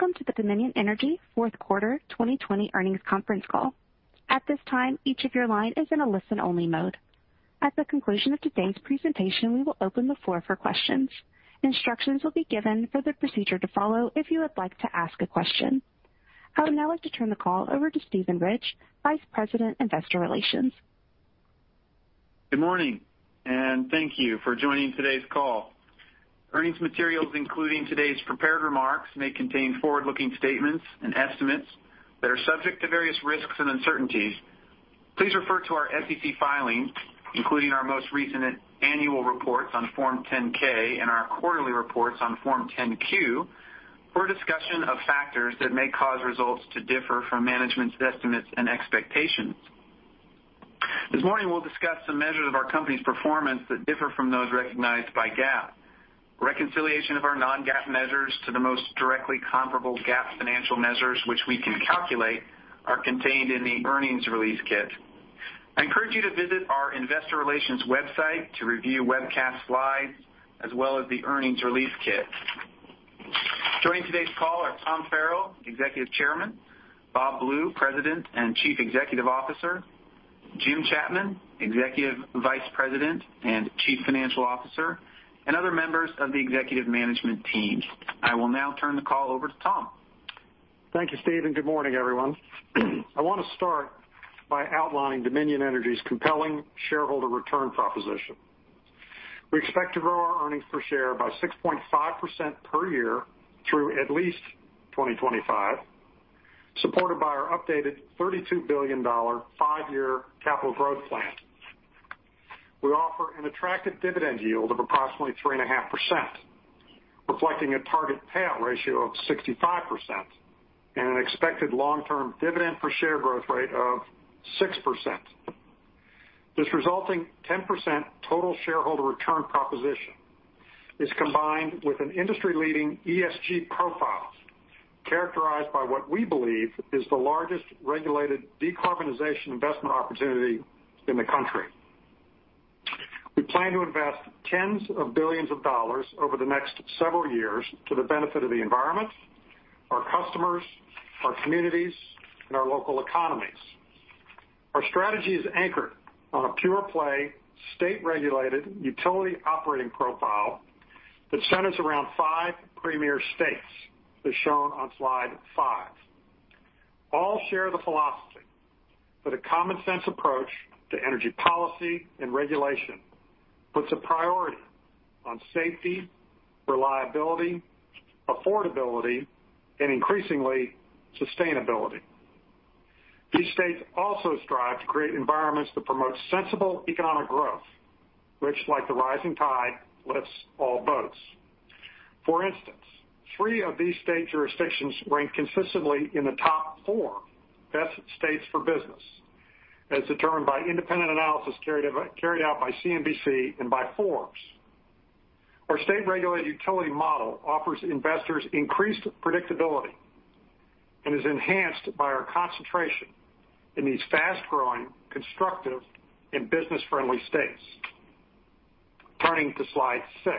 Welcome to the Dominion Energy fourth quarter 2020 earnings conference call. At this time each of your line is in a listen-only mode. At the conclusion of today's presentation we'll open the floor for questions. Instructions will be given for the procedure to follow, if you would like to ask a question. I would now like to turn the call over to Steven Ridge, Vice President, Investor Relations. Good morning. Thank you for joining today's call. Earnings materials including today's prepared remarks may contain forward-looking statements and estimates that are subject to various risks and uncertainties. Please refer to our SEC filings, including our most recent annual reports on Form 10-K and our quarterly reports on Form 10-Q, for a discussion of factors that may cause results to differ from management's estimates and expectations. This morning, we'll discuss some measures of our company's performance that differ from those recognized by GAAP. Reconciliation of our non-GAAP measures to the most directly comparable GAAP financial measures, which we can calculate, are contained in the earnings release kit. I encourage you to visit our investor relations website to review webcast slides as well as the earnings release kit. Joining today's call are Tom Farrell, Executive Chairman; Bob Blue, President and Chief Executive Officer; Jim Chapman, Executive Vice President and Chief Financial Officer; and other members of the executive management team. I will now turn the call over to Tom. Thank you, Steven, and good morning, everyone. I want to start by outlining Dominion Energy's compelling shareholder return proposition. We expect to grow our earnings per share by 6.5% per year through at least 2025, supported by our updated $32 billion five-year capital growth plan. We offer an attractive dividend yield of approximately 3.5%, reflecting a target payout ratio of 65% and an expected long-term dividend per share growth rate of 6%. This resulting 10% total shareholder return proposition is combined with an industry-leading ESG profile characterized by what we believe is the largest regulated decarbonization investment opportunity in the country. We plan to invest tens of billions of dollars over the next several years to the benefit of the environment, our customers, our communities, and our local economies. Our strategy is anchored on a pure-play, state-regulated utility operating profile that centers around five premier states, as shown on slide five. All share the philosophy that a common-sense approach to energy policy and regulation puts a priority on safety, reliability, affordability, and increasingly, sustainability. These states also strive to create environments that promote sensible economic growth, which like the rising tide, lifts all boats. For instance, three of these state jurisdictions rank consistently in the top four best states for business as determined by independent analysis carried out by CNBC and by Forbes. Our state-regulated utility model offers investors increased predictability and is enhanced by our concentration in these fast-growing, constructive, and business-friendly states. Turning to slide six.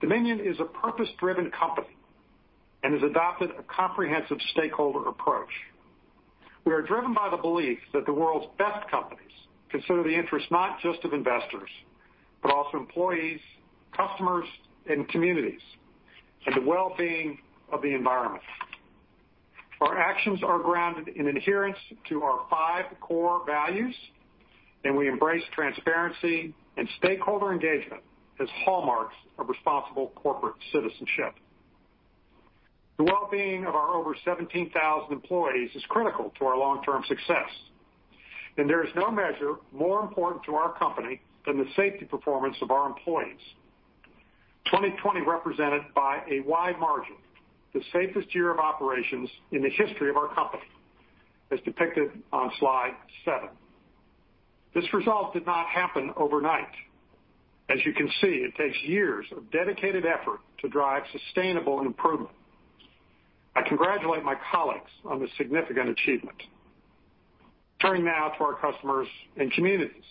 Dominion is a purpose-driven company and has adopted a comprehensive stakeholder approach. We are driven by the belief that the world's best companies consider the interests not just of investors, but also employees, customers, and communities, and the well-being of the environment. Our actions are grounded in adherence to our five core values. We embrace transparency and stakeholder engagement as hallmarks of responsible corporate citizenship. The well-being of our over 17,000 employees is critical to our long-term success. There is no measure more important to our company than the safety performance of our employees. 2020 represented, by a wide margin, the safest year of operations in the history of our company, as depicted on slide seven. This result did not happen overnight. As you can see, it takes years of dedicated effort to drive sustainable improvement. I congratulate my colleagues on this significant achievement. Turning now to our customers and communities.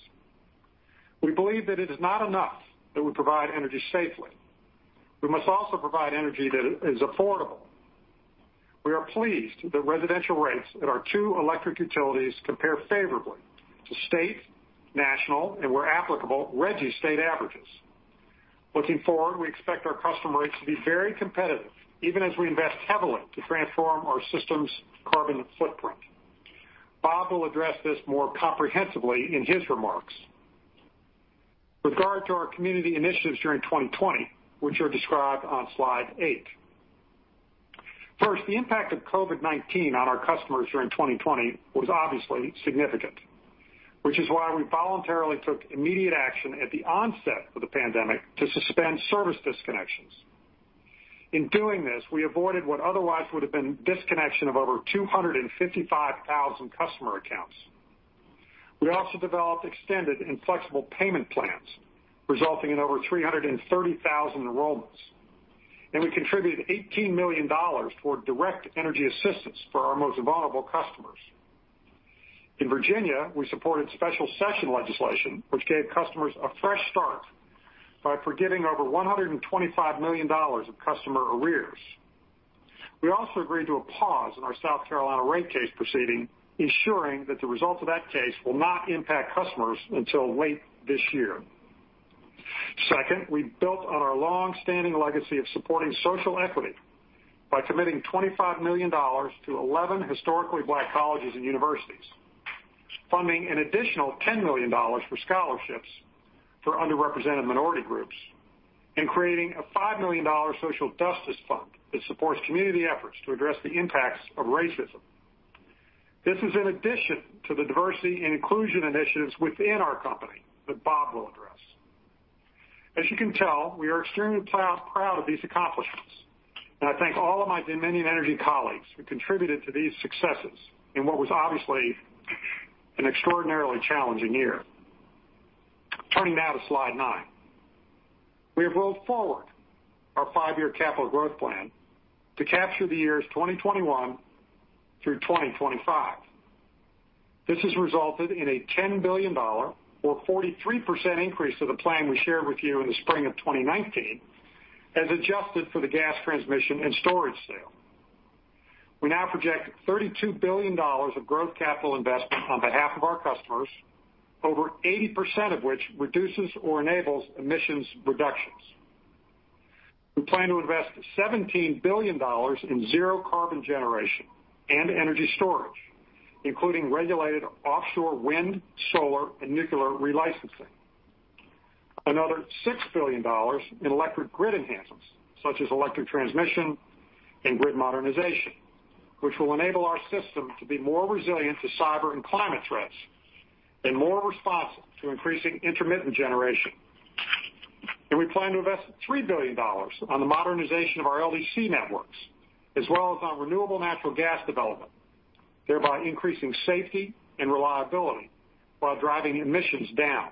We believe that it is not enough that we provide energy safely. We must also provide energy that is affordable. We are pleased that residential rates at our two electric utilities compare favorably to state, national, and where applicable, RGGI state averages. Looking forward, we expect our customer rates to be very competitive, even as we invest heavily to transform our system's carbon footprint. Bob will address this more comprehensively in his remarks. With regard to our community initiatives during 2020, which are described on slide eight. First, the impact of COVID-19 on our customers during 2020 was obviously significant, which is why we voluntarily took immediate action at the onset of the pandemic to suspend service disconnections. In doing this, we avoided what otherwise would have been disconnection of over 255,000 customer accounts. We also developed extended and flexible payment plans, resulting in over 330,000 enrollments, and we contributed $18 million toward direct energy assistance for our most vulnerable customers. In Virginia, we supported special session legislation which gave customers a fresh start by forgiving over $125 million of customer arrears. We also agreed to a pause in our South Carolina rate case proceeding, ensuring that the result of that case will not impact customers until late this year. Second, we built on our longstanding legacy of supporting social equity by committing $25 million to 11 historically Black colleges and universities, funding an additional $10 million for scholarships for underrepresented minority groups, and creating a $5 million social justice fund that supports community efforts to address the impacts of racism. This is in addition to the diversity and inclusion initiatives within our company that Bob will address. As you can tell, we are extremely proud of these accomplishments, and I thank all of my Dominion Energy colleagues who contributed to these successes in what was obviously an extraordinarily challenging year. Turning now to slide nine. We have rolled forward our five-year capital growth plan to capture the years 2021 through 2025. This has resulted in a $10 billion or 43% increase to the plan we shared with you in the spring of 2019, as adjusted for the gas transmission and storage sale. We now project $32 billion of growth capital investment on behalf of our customers, over 80% of which reduces or enables emissions reductions. We plan to invest $17 billion in zero carbon generation and energy storage, including regulated offshore wind, solar, and nuclear relicensing. Another $6 billion in electric grid enhancements, such as electric transmission and grid modernization, which will enable our system to be more resilient to cyber and climate threats and more responsive to increasing intermittent generation. We plan to invest $3 billion on the modernization of our LDC networks as well as on renewable natural gas development, thereby increasing safety and reliability while driving emissions down.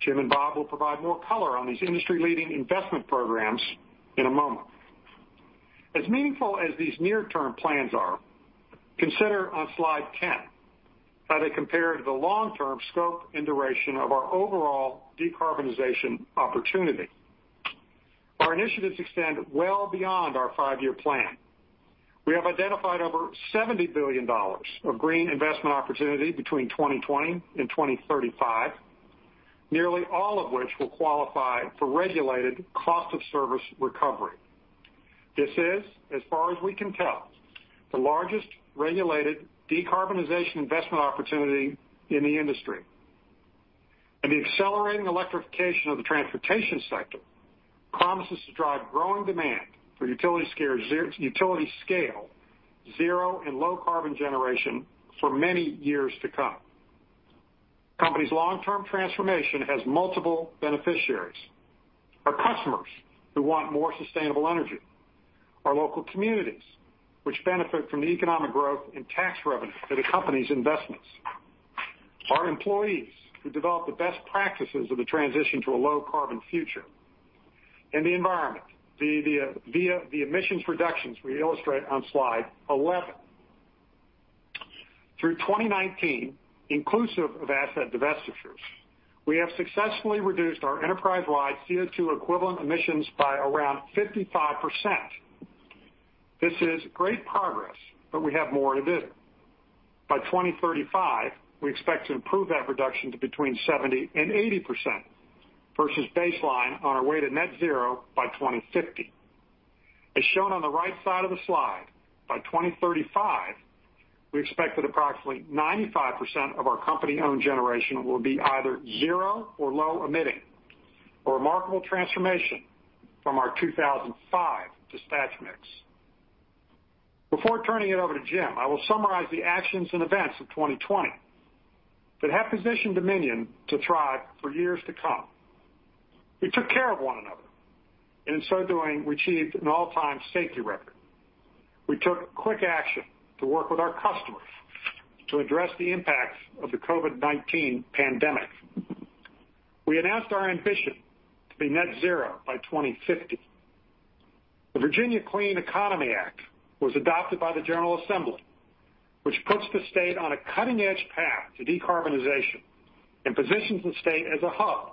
Jim and Bob will provide more color on these industry-leading investment programs in a moment. As meaningful as these near-term plans are, consider on slide 10 how they compare to the long-term scope and duration of our overall decarbonization opportunity. Our initiatives extend well beyond our five-year plan. We have identified over $70 billion of green investment opportunity between 2020 and 2035, nearly all of which will qualify for regulated cost-of-service recovery. This is, as far as we can tell, the largest regulated decarbonization investment opportunity in the industry, and the accelerating electrification of the transportation sector promises to drive growing demand for utility scale zero and low carbon generation for many years to come. The company's long-term transformation has multiple beneficiaries. Our customers who want more sustainable energy, our local communities, which benefit from the economic growth and tax revenue that accompanies investments. Our employees who develop the best practices of the transition to a low carbon future. The environment via the emissions reductions we illustrate on slide 11. Through 2019, inclusive of asset divestitures, we have successfully reduced our enterprise-wide CO2-equivalent emissions by around 55%. This is great progress, but we have more to do. By 2035, we expect to improve that reduction to between 70% and 80% versus baseline on our way to net zero by 2050. As shown on the right side of the slide, by 2035, we expect that approximately 95% of our company-owned generation will be either zero or low emitting, a remarkable transformation from our 2005 dispatch mix. Before turning it over to Jim, I will summarize the actions and events of 2020 that have positioned Dominion to thrive for years to come. We took care of one another, and in so doing, we achieved an all-time safety record. We took quick action to work with our customers to address the impacts of the COVID-19 pandemic. We announced our ambition to be net zero by 2050. The Virginia Clean Economy Act was adopted by the General Assembly, which puts the state on a cutting-edge path to decarbonization and positions the state as a hub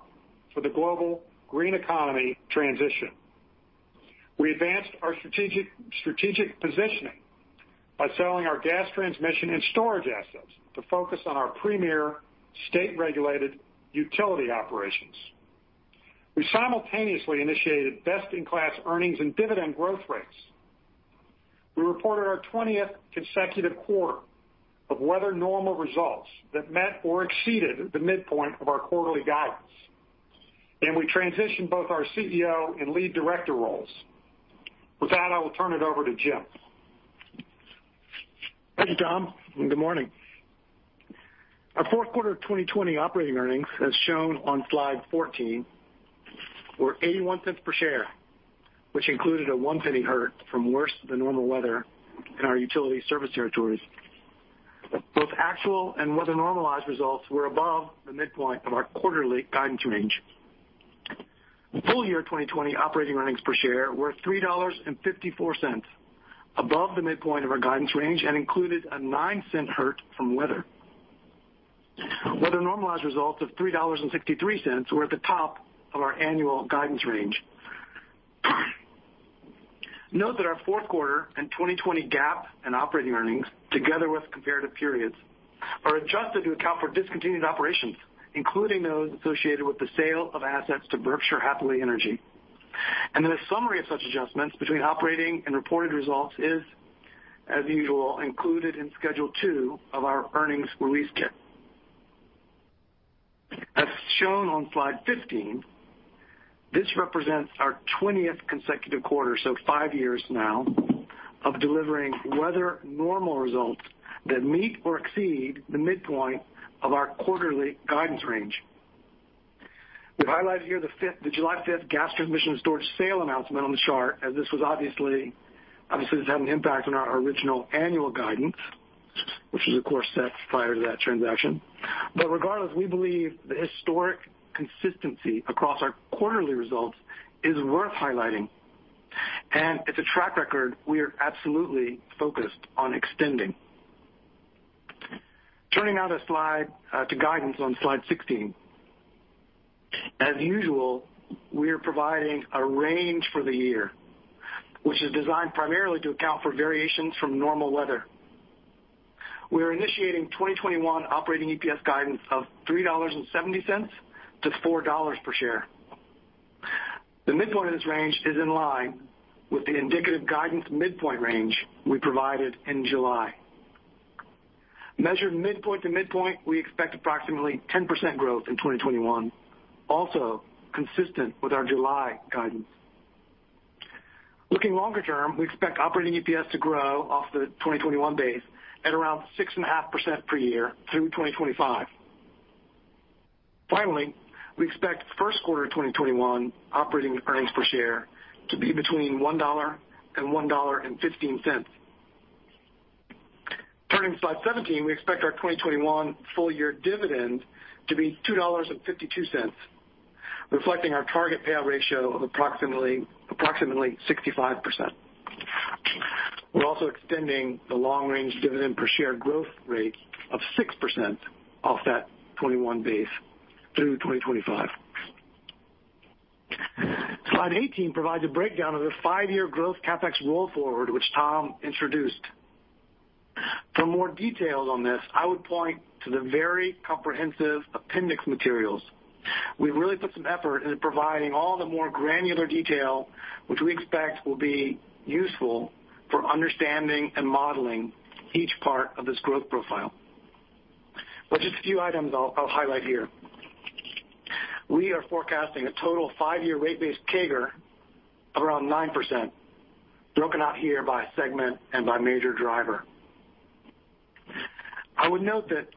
for the global green economy transition. We advanced our strategic positioning by selling our gas transmission and storage assets to focus on our premier state-regulated utility operations. We simultaneously initiated best-in-class earnings and dividend growth rates. We reported our 20th consecutive quarter of weather normal results that met or exceeded the midpoint of our quarterly guidance, and we transitioned both our CEO and lead director roles. With that, I will turn it over to Jim. Thank you, Tom. Good morning. Our fourth quarter 2020 operating earnings, as shown on slide 14, were $0.81 per share, which included a $0.01 hurt from worse than normal weather in our utility service territories. Both actual and weather normalized results were above the midpoint of our quarterly guidance range. Full year 2020 operating earnings per share were $3.54, above the midpoint of our guidance range and included a $0.09 hurt from weather. Weather-normalized results of $3.63 were at the top of our annual guidance range. Note that our fourth quarter and 2020 GAAP and operating earnings, together with comparative periods, are adjusted to account for discontinued operations, including those associated with the sale of assets to Berkshire Hathaway Energy. A summary of such adjustments between operating and reported results is, as usual, included in schedule two of our earnings release kit. As shown on slide 15, this represents our 20th consecutive quarter, so five years now, of delivering weather normal results that meet or exceed the midpoint of our quarterly guidance range. We've highlighted here the July 5th gas transmission storage sale announcement on the chart, as this obviously has had an impact on our original annual guidance, which was, of course, set prior to that transaction. Regardless, we believe the historic consistency across our quarterly results is worth highlighting, and it's a track record we are absolutely focused on extending. Turning now to guidance on slide 16. As usual, we are providing a range for the year, which is designed primarily to account for variations from normal weather. We are initiating 2021 operating EPS guidance of $3.70-$4.00 per share. The midpoint of this range is in line with the indicative guidance midpoint range we provided in July. Measured midpoint to midpoint, we expect approximately 10% growth in 2021, also consistent with our July guidance. Looking longer term, we expect operating EPS to grow off the 2021 base at around 6.5% per year through 2025. Finally, we expect first quarter 2021 operating earnings per share to be between $1.00 and $1.15. Turning to slide 17, we expect our 2021 full-year dividend to be $2.52, reflecting our target payout ratio of approximately 65%. We're also extending the long-range dividend per share growth rate of 6% off that 2021 base through 2025. Slide 18 provides a breakdown of the five-year growth CapEx roll forward, which Tom introduced. For more details on this, I would point to the very comprehensive appendix materials. We've really put some effort into providing all the more granular detail, which we expect will be useful for understanding and modeling each part of this growth profile. Just a few items I'll highlight here. We are forecasting a total five-year rate base CAGR of around 9%, broken out here by segment and by major driver. I would note that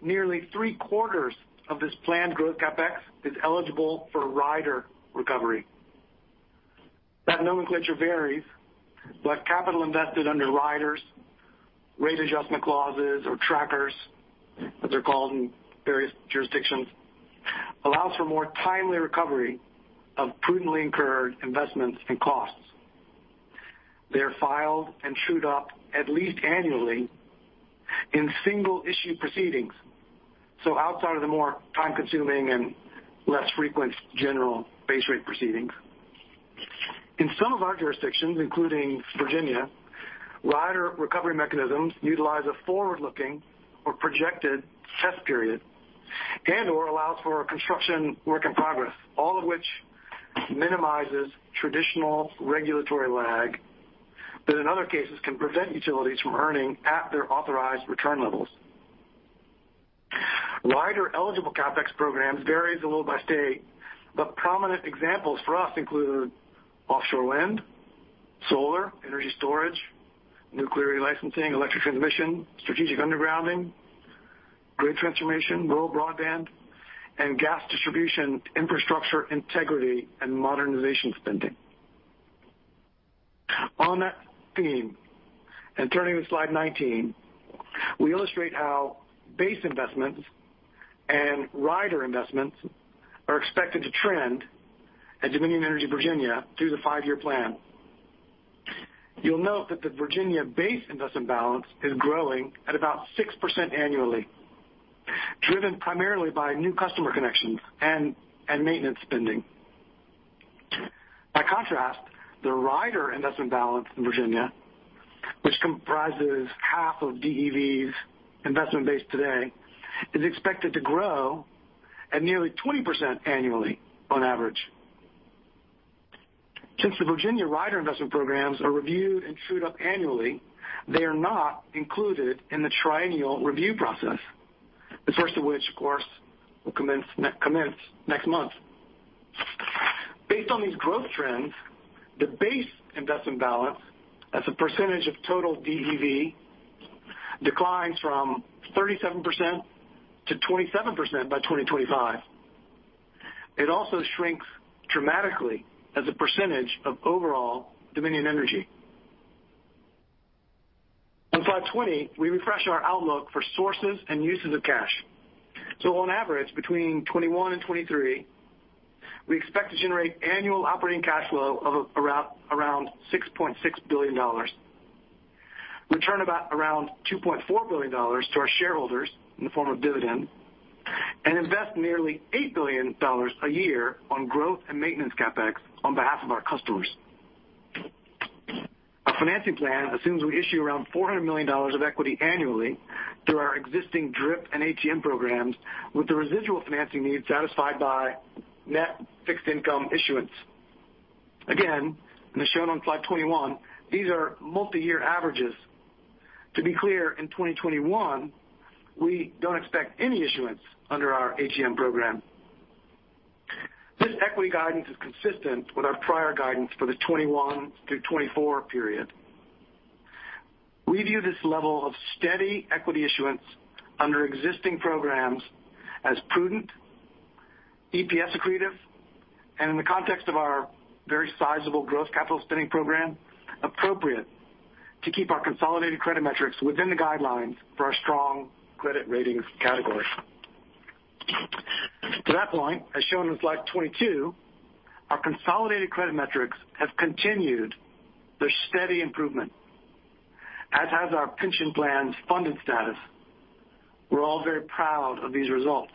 nearly three-quarters of this planned growth CapEx is eligible for rider recovery. That nomenclature varies, but capital invested under riders, rate adjustment clauses, or trackers, as they're called in various jurisdictions, allows for more timely recovery of prudently incurred investments and costs. They are filed and trued up at least annually in single-issue proceedings. Outside of the more time-consuming and less frequent general base rate proceedings. In some of our jurisdictions, including Virginia, rider recovery mechanisms utilize a forward-looking or projected test period and/or allows for construction work in progress, all of which minimizes traditional regulatory lag that in other cases can prevent utilities from earning at their authorized return levels. Rider-eligible CapEx programs varies a little by state, but prominent examples for us include offshore wind, solar, energy storage, nuclear relicensing, electric transmission, strategic undergrounding, grid transformation, rural broadband, and gas distribution infrastructure integrity and modernization spending. On that theme, turning to slide 19, we illustrate how base investments and rider investments are expected to trend at Dominion Energy Virginia through the five-year plan. You'll note that the Virginia base investment balance is growing at about 6% annually, driven primarily by new customer connections and maintenance spending. By contrast, the rider investment balance in Virginia, which comprises half of DEV's investment base today, is expected to grow at nearly 20% annually on average. Since the Virginia rider investment programs are reviewed and trued up annually, they are not included in the triennial review process. The first of which, of course, will commence next month. Based on these growth trends, the base investment balance as a percentage of total DEV declines from 37% to 27% by 2025. It also shrinks dramatically as a percentage of overall Dominion Energy. Slide 20, we refresh our outlook for sources and uses of cash. On average, between 2021 and 2023, we expect to generate annual operating cash flow of around $6.6 billion, return around $2.4 billion to our shareholders in the form of dividend, and invest nearly $8 billion a year on growth and maintenance CapEx on behalf of our customers. Our financing plan assumes we issue around $400 million of equity annually through our existing DRIP and ATM programs, with the residual financing needs satisfied by net fixed income issuance. Again, as shown on slide 21, these are multi-year averages. To be clear, in 2021, we don't expect any issuance under our ATM program. This equity guidance is consistent with our prior guidance for the 2021 through 2024 period. We view this level of steady equity issuance under existing programs as prudent, EPS accretive, and in the context of our very sizable growth capital spending program, appropriate to keep our consolidated credit metrics within the guidelines for our strong credit ratings category. To that point, as shown on slide 22, our consolidated credit metrics have continued their steady improvement, as has our pension plan's funded status. We're all very proud of these results.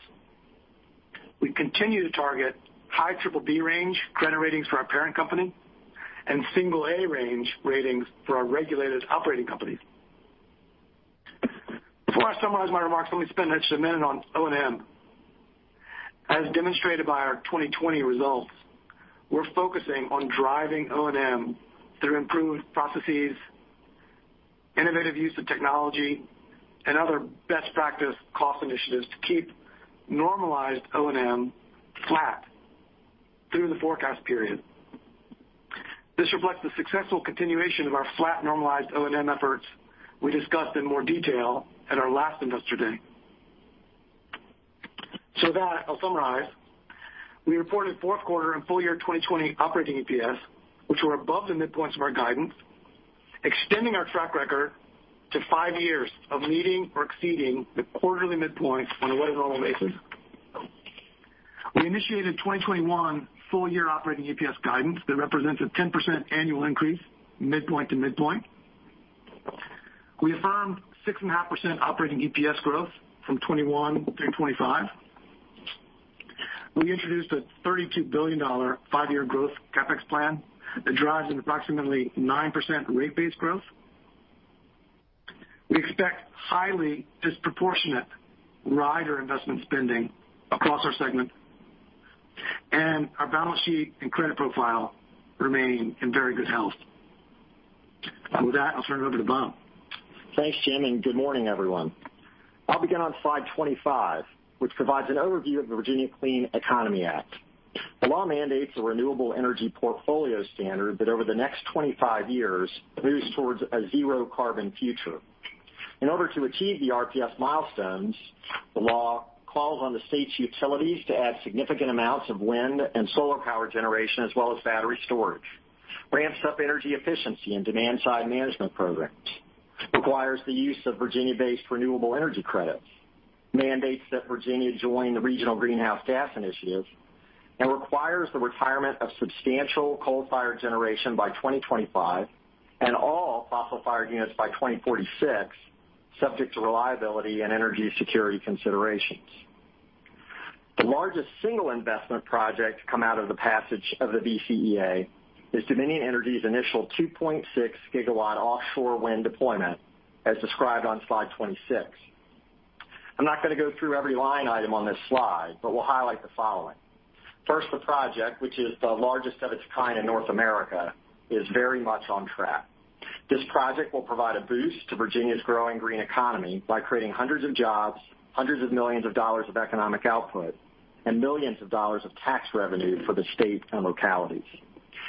We continue to target high BBB range credit ratings for our parent company and single A range ratings for our regulated operating company. Before I summarize my remarks, let me spend just a minute on O&M. As demonstrated by our 2020 results, we're focusing on driving O&M through improved processes, innovative use of technology, and other best practice cost initiatives to keep normalized O&M flat through the forecast period. This reflects the successful continuation of our flat normalized O&M efforts we discussed in more detail at our last Investor Day. With that, I'll summarize. We reported fourth quarter and full-year 2020 operating EPS, which were above the midpoints of our guidance, extending our track record to five years of meeting or exceeding the quarterly midpoint on a weather-normal basis. We initiated 2021 full-year operating EPS guidance that represents a 10% annual increase, midpoint to midpoint. We affirmed 6.5% operating EPS growth from 2021 through 2025. We introduced a $32 billion five-year growth CapEx plan that drives an approximately 9% rate base growth. We expect highly disproportionate rider investment spending across our segments. Our balance sheet and credit profile remain in very good health. With that, I'll turn it over to Bob. Thanks, Jim, and good morning, everyone. I'll begin on slide 25, which provides an overview of the Virginia Clean Economy Act. The law mandates a renewable energy portfolio standard that over the next 25 years moves towards a zero-carbon future. In order to achieve the RPS milestones, the law calls on the state's utilities to add significant amounts of wind and solar power generation, as well as battery storage, ramps up energy efficiency and demand-side management programs, requires the use of Virginia-based renewable energy credits, mandates that Virginia join the Regional Greenhouse Gas Initiative, and requires the retirement of substantial coal-fired generation by 2025, and all fossil-fired units by 2046, subject to reliability and energy security considerations. The largest single investment project to come out of the passage of the VCEA is Dominion Energy's initial 2.6 GW offshore wind deployment, as described on slide 26. I'm not going to go through every line item on this slide. We'll highlight the following. First, the project, which is the largest of its kind in North America, is very much on track. This project will provide a boost to Virginia's growing green economy by creating hundreds of jobs, hundreds of millions of dollars of economic output, and millions of dollars of tax revenue for the state and localities.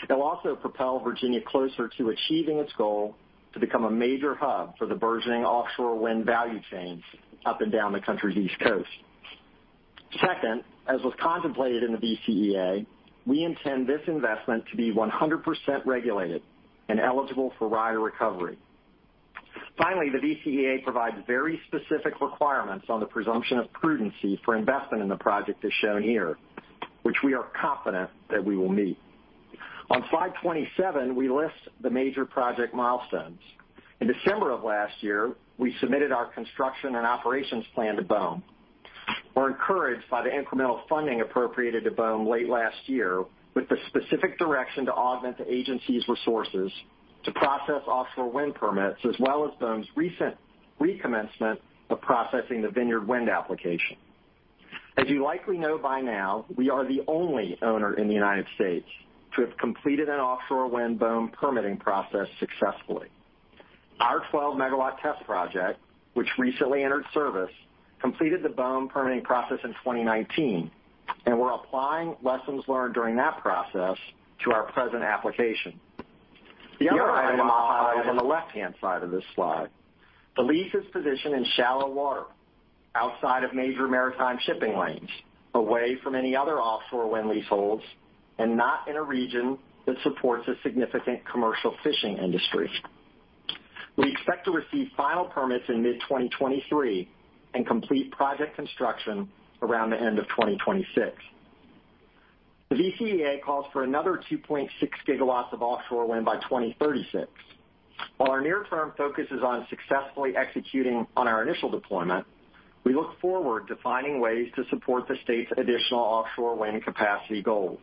It'll also propel Virginia closer to achieving its goal to become a major hub for the burgeoning offshore wind value chains up and down the country's East Coast. Second, as was contemplated in the VCEA, we intend this investment to be 100% regulated and eligible for rider recovery. Finally, the VCEA provides very specific requirements on the presumption of prudency for investment in the project as shown here, which we are confident that we will meet. On slide 27, we list the major project milestones. In December of last year, we submitted our construction and operations plan to BOEM. We're encouraged by the incremental funding appropriated to BOEM late last year with the specific direction to augment the agency's resources to process offshore wind permits, as well as BOEM's recent recommencement of processing the Vineyard Wind application. As you likely know by now, we are the only owner in the United States to have completed an offshore wind BOEM permitting process successfully. Our 12 MW test project, which recently entered service, completed the BOEM permitting process in 2019, and we're applying lessons learned during that process to our present application. The other item I'll highlight on the left-hand side of this slide. The lease's position in shallow water. Outside of major maritime shipping lanes, away from any other offshore wind leaseholds, and not in a region that supports a significant commercial fishing industry. We expect to receive final permits in mid-2023 and complete project construction around the end of 2026. The VCEA calls for another 2.6 GW of offshore wind by 2036. Our near-term focus is on successfully executing on our initial deployment, we look forward to finding ways to support the state's additional offshore wind capacity goals.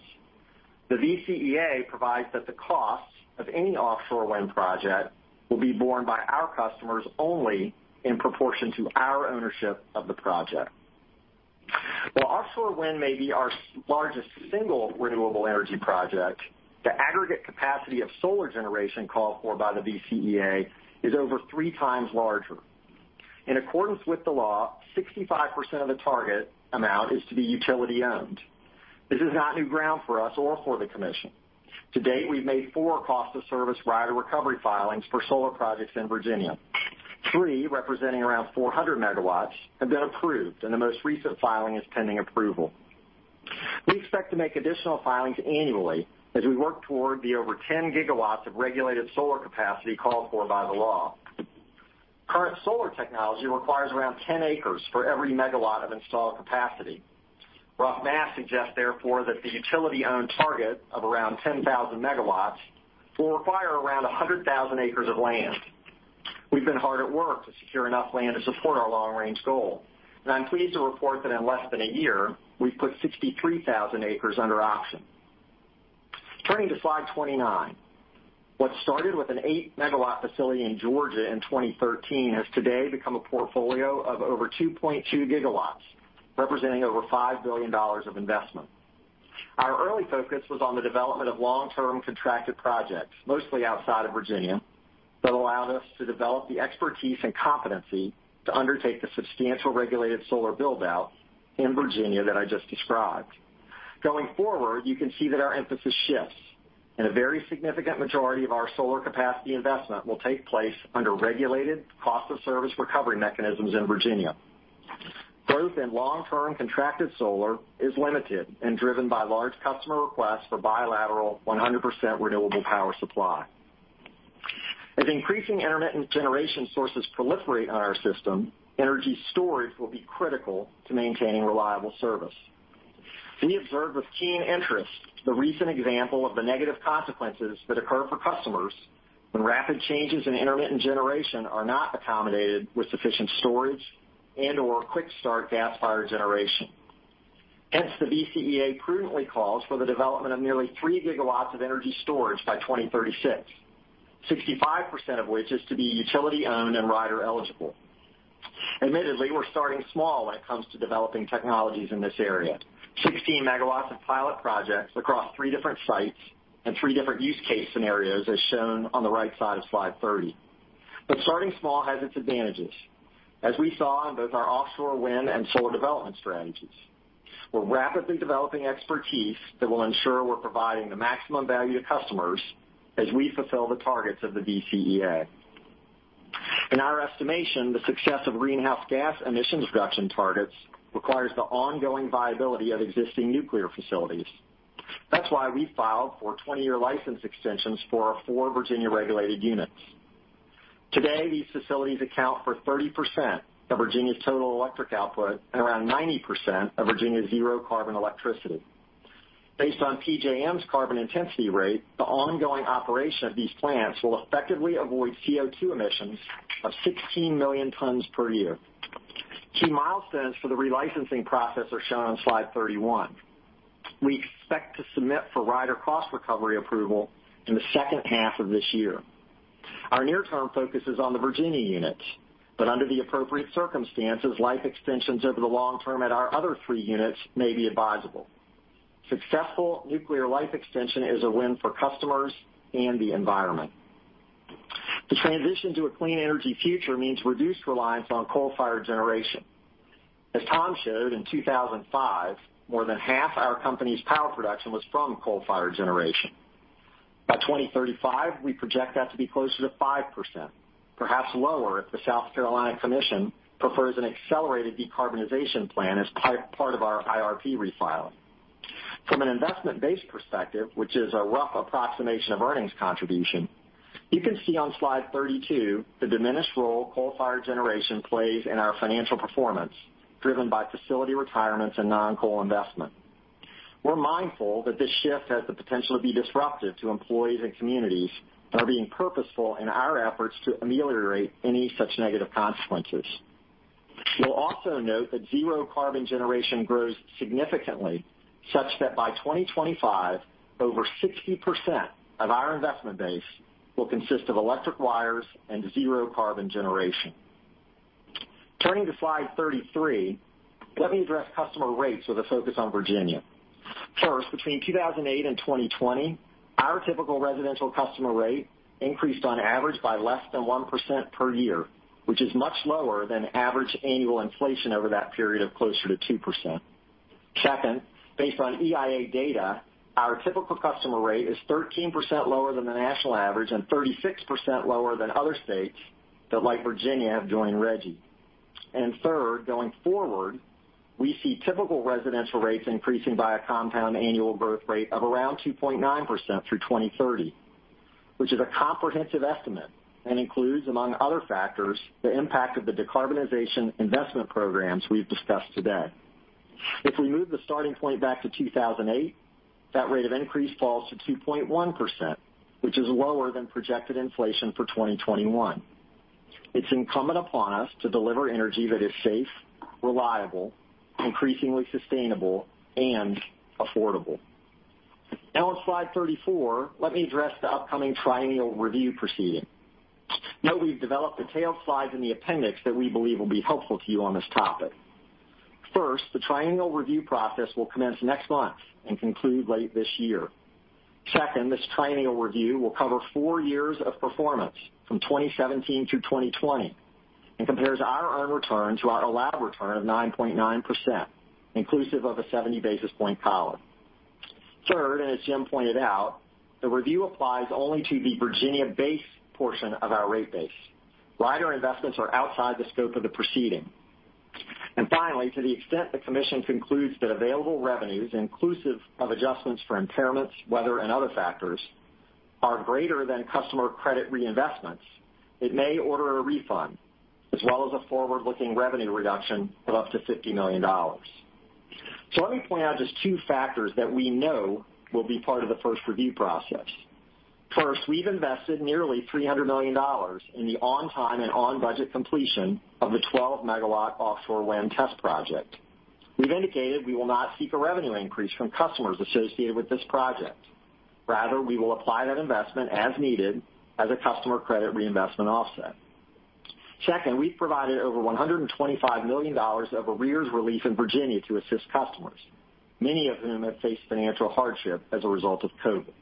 The VCEA provides that the costs of any offshore wind project will be borne by our customers only in proportion to our ownership of the project. Offshore wind may be our largest single renewable energy project, the aggregate capacity of solar generation called for by the VCEA is over three times larger. In accordance with the law, 65% of the target amount is to be utility-owned. This is not new ground for us or for the commission. To date, we've made four cost of service rider recovery filings for solar projects in Virginia. Three, representing around 400 MW, have been approved, and the most recent filing is pending approval. We expect to make additional filings annually as we work toward the over 10 GW of regulated solar capacity called for by the law. Current solar technology requires around 10 acres for every megawatt of installed capacity. Rough math suggests, therefore, that the utility-owned target of around 10,000 MW will require around 100,000 acres of land. We've been hard at work to secure enough land to support our long-range goal, and I'm pleased to report that in less than a year, we've put 63,000 acres under option. Turning to slide 29. What started with an eight-megawatt facility in Georgia in 2013 has today become a portfolio of over 2.2 GW, representing over $5 billion of investment. Our early focus was on the development of long-term contracted projects, mostly outside of Virginia, that allowed us to develop the expertise and competency to undertake the substantial regulated solar build-out in Virginia that I just described. Going forward, you can see that our emphasis shifts, and a very significant majority of our solar capacity investment will take place under regulated cost of service recovery mechanisms in Virginia. Growth in long-term contracted solar is limited and driven by large customer requests for bilateral 100% renewable power supply. As increasing intermittent generation sources proliferate in our system, energy storage will be critical to maintaining reliable service. We observed with keen interest the recent example of the negative consequences that occur for customers when rapid changes in intermittent generation are not accommodated with sufficient storage and/or quick-start gas-fired generation. The VCEA prudently calls for the development of nearly 3 GW of energy storage by 2036, 65% of which is to be utility-owned and rider-eligible. Admittedly, we're starting small when it comes to developing technologies in this area. 16 MW of pilot projects across three different sites and three different use case scenarios, as shown on the right side of slide 30. Starting small has its advantages, as we saw in both our offshore wind and solar development strategies. We're rapidly developing expertise that will ensure we're providing the maximum value to customers as we fulfill the targets of the VCEA. In our estimation, the success of greenhouse gas emissions reduction targets requires the ongoing viability of existing nuclear facilities. That's why we filed for 20-year license extensions for our four Virginia regulated units. Today, these facilities account for 30% of Virginia's total electric output and around 90% of Virginia's zero-carbon electricity. Based on PJM's carbon intensity rate, the ongoing operation of these plants will effectively avoid CO2 emissions of 16 million tons per year. Key milestones for the relicensing process are shown on slide 31. We expect to submit for rider cost recovery approval in the second half of this year. Our near-term focus is on the Virginia units, but under the appropriate circumstances, life extensions over the long term at our other three units may be advisable. Successful nuclear life extension is a win for customers and the environment. The transition to a clean energy future means reduced reliance on coal-fired generation. As Tom showed, in 2005, more than half our company's power production was from coal-fired generation. By 2035, we project that to be closer to 5%, perhaps lower if the South Carolina Commission prefers an accelerated decarbonization plan as part of our IRP refiling. From an investment-based perspective, which is a rough approximation of earnings contribution, you can see on slide 32 the diminished role coal-fired generation plays in our financial performance, driven by facility retirements and non-coal investment. We're mindful that this shift has the potential to be disruptive to employees and communities and are being purposeful in our efforts to ameliorate any such negative consequences. You'll also note that zero-carbon generation grows significantly, such that by 2025, over 60% of our investment base will consist of electric wires and zero-carbon generation. Turning to slide 33, let me address customer rates with a focus on Virginia. First, between 2008 and 2020, our typical residential customer rate increased on average by less than 1% per year, which is much lower than average annual inflation over that period of closer to 2%. Second, based on EIA data, our typical customer rate is 13% lower than the national average and 36% lower than other states that, like Virginia, have joined RGGI. Third, going forward, we see typical residential rates increasing by a compound annual growth rate of around 2.9% through 2030, which is a comprehensive estimate and includes, among other factors, the impact of the decarbonization investment programs we've discussed today. If we move the starting point back to 2008, that rate of increase falls to 2.1%, which is lower than projected inflation for 2021. It's incumbent upon us to deliver energy that is safe, reliable, increasingly sustainable, and affordable. On slide 34, let me address the upcoming triennial review proceeding. Note we've developed detailed slides in the appendix that we believe will be helpful to you on this topic. The triennial review process will commence next month and conclude late this year. This triennial review will cover four years of performance from 2017 to 2020 and compares our earned return to our allowed return of 9.9%, inclusive of a 70 basis point collar. Third, as Jim pointed out, the review applies only to the Virginia base portion of our rate base. Rider investments are outside the scope of the proceeding. Finally, to the extent the commission concludes that available revenues, inclusive of adjustments for impairments, weather, and other factors, are greater than customer credit reinvestments, it may order a refund, as well as a forward-looking revenue reduction of up to $50 million. Let me point out just two factors that we know will be part of the first review process. First, we've invested nearly $300 million in the on-time and on-budget completion of the 12 MW offshore wind test project. We've indicated we will not seek a revenue increase from customers associated with this project. Rather, we will apply that investment as needed as a customer credit reinvestment offset. Second, we've provided over $125 million of arrears relief in Virginia to assist customers, many of whom have faced financial hardship as a result of COVID.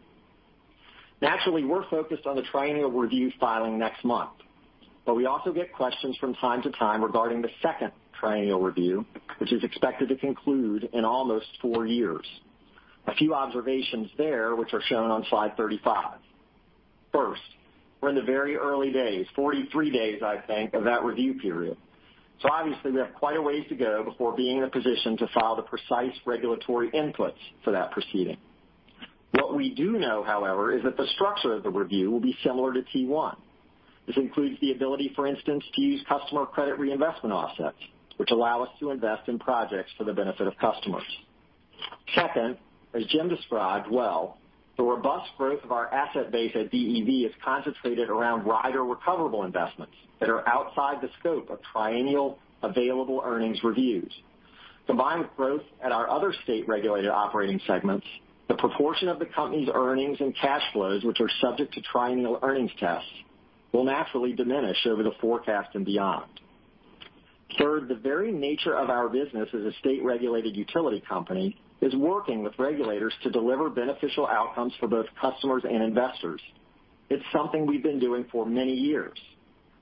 Naturally, we're focused on the triennial review filing next month, but we also get questions from time to time regarding the second triennial review, which is expected to conclude in almost four years. A few observations there, which are shown on slide 35. First, we're in the very early days, 43 days, I think, of that review period. Obviously, we have quite a ways to go before being in a position to file the precise regulatory inputs for that proceeding. What we do know, however, is that the structure of the review will be similar to T1. This includes the ability, for instance, to use customer credit reinvestment offsets, which allow us to invest in projects for the benefit of customers. As Jim described well, the robust growth of our asset base at DEV is concentrated around rider recoverable investments that are outside the scope of triennial available earnings reviews. Combined with growth at our other state-regulated operating segments, the proportion of the company's earnings and cash flows which are subject to triennial earnings tests will naturally diminish over the forecast and beyond. The very nature of our business as a state-regulated utility company is working with regulators to deliver beneficial outcomes for both customers and investors. It's something we've been doing for many years.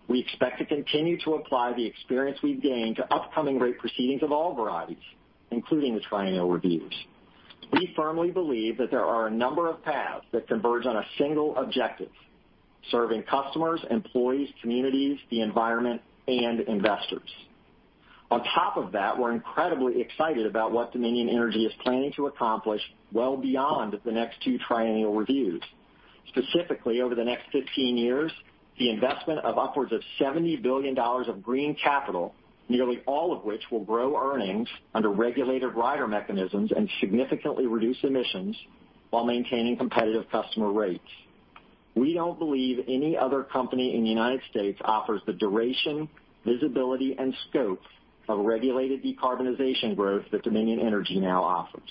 We expect to continue to apply the experience we've gained to upcoming rate proceedings of all varieties, including the triennial reviews. We firmly believe that there are a number of paths that converge on a single objective: serving customers, employees, communities, the environment, and investors. On top of that, we're incredibly excited about what Dominion Energy is planning to accomplish well beyond the next two triennial reviews. Specifically, over the next 15 years, the investment of upwards of $70 billion of green capital, nearly all of which will grow earnings under regulated rider mechanisms and significantly reduce emissions while maintaining competitive customer rates. We don't believe any other company in the United States offers the duration, visibility, and scope of regulated decarbonization growth that Dominion Energy now offers.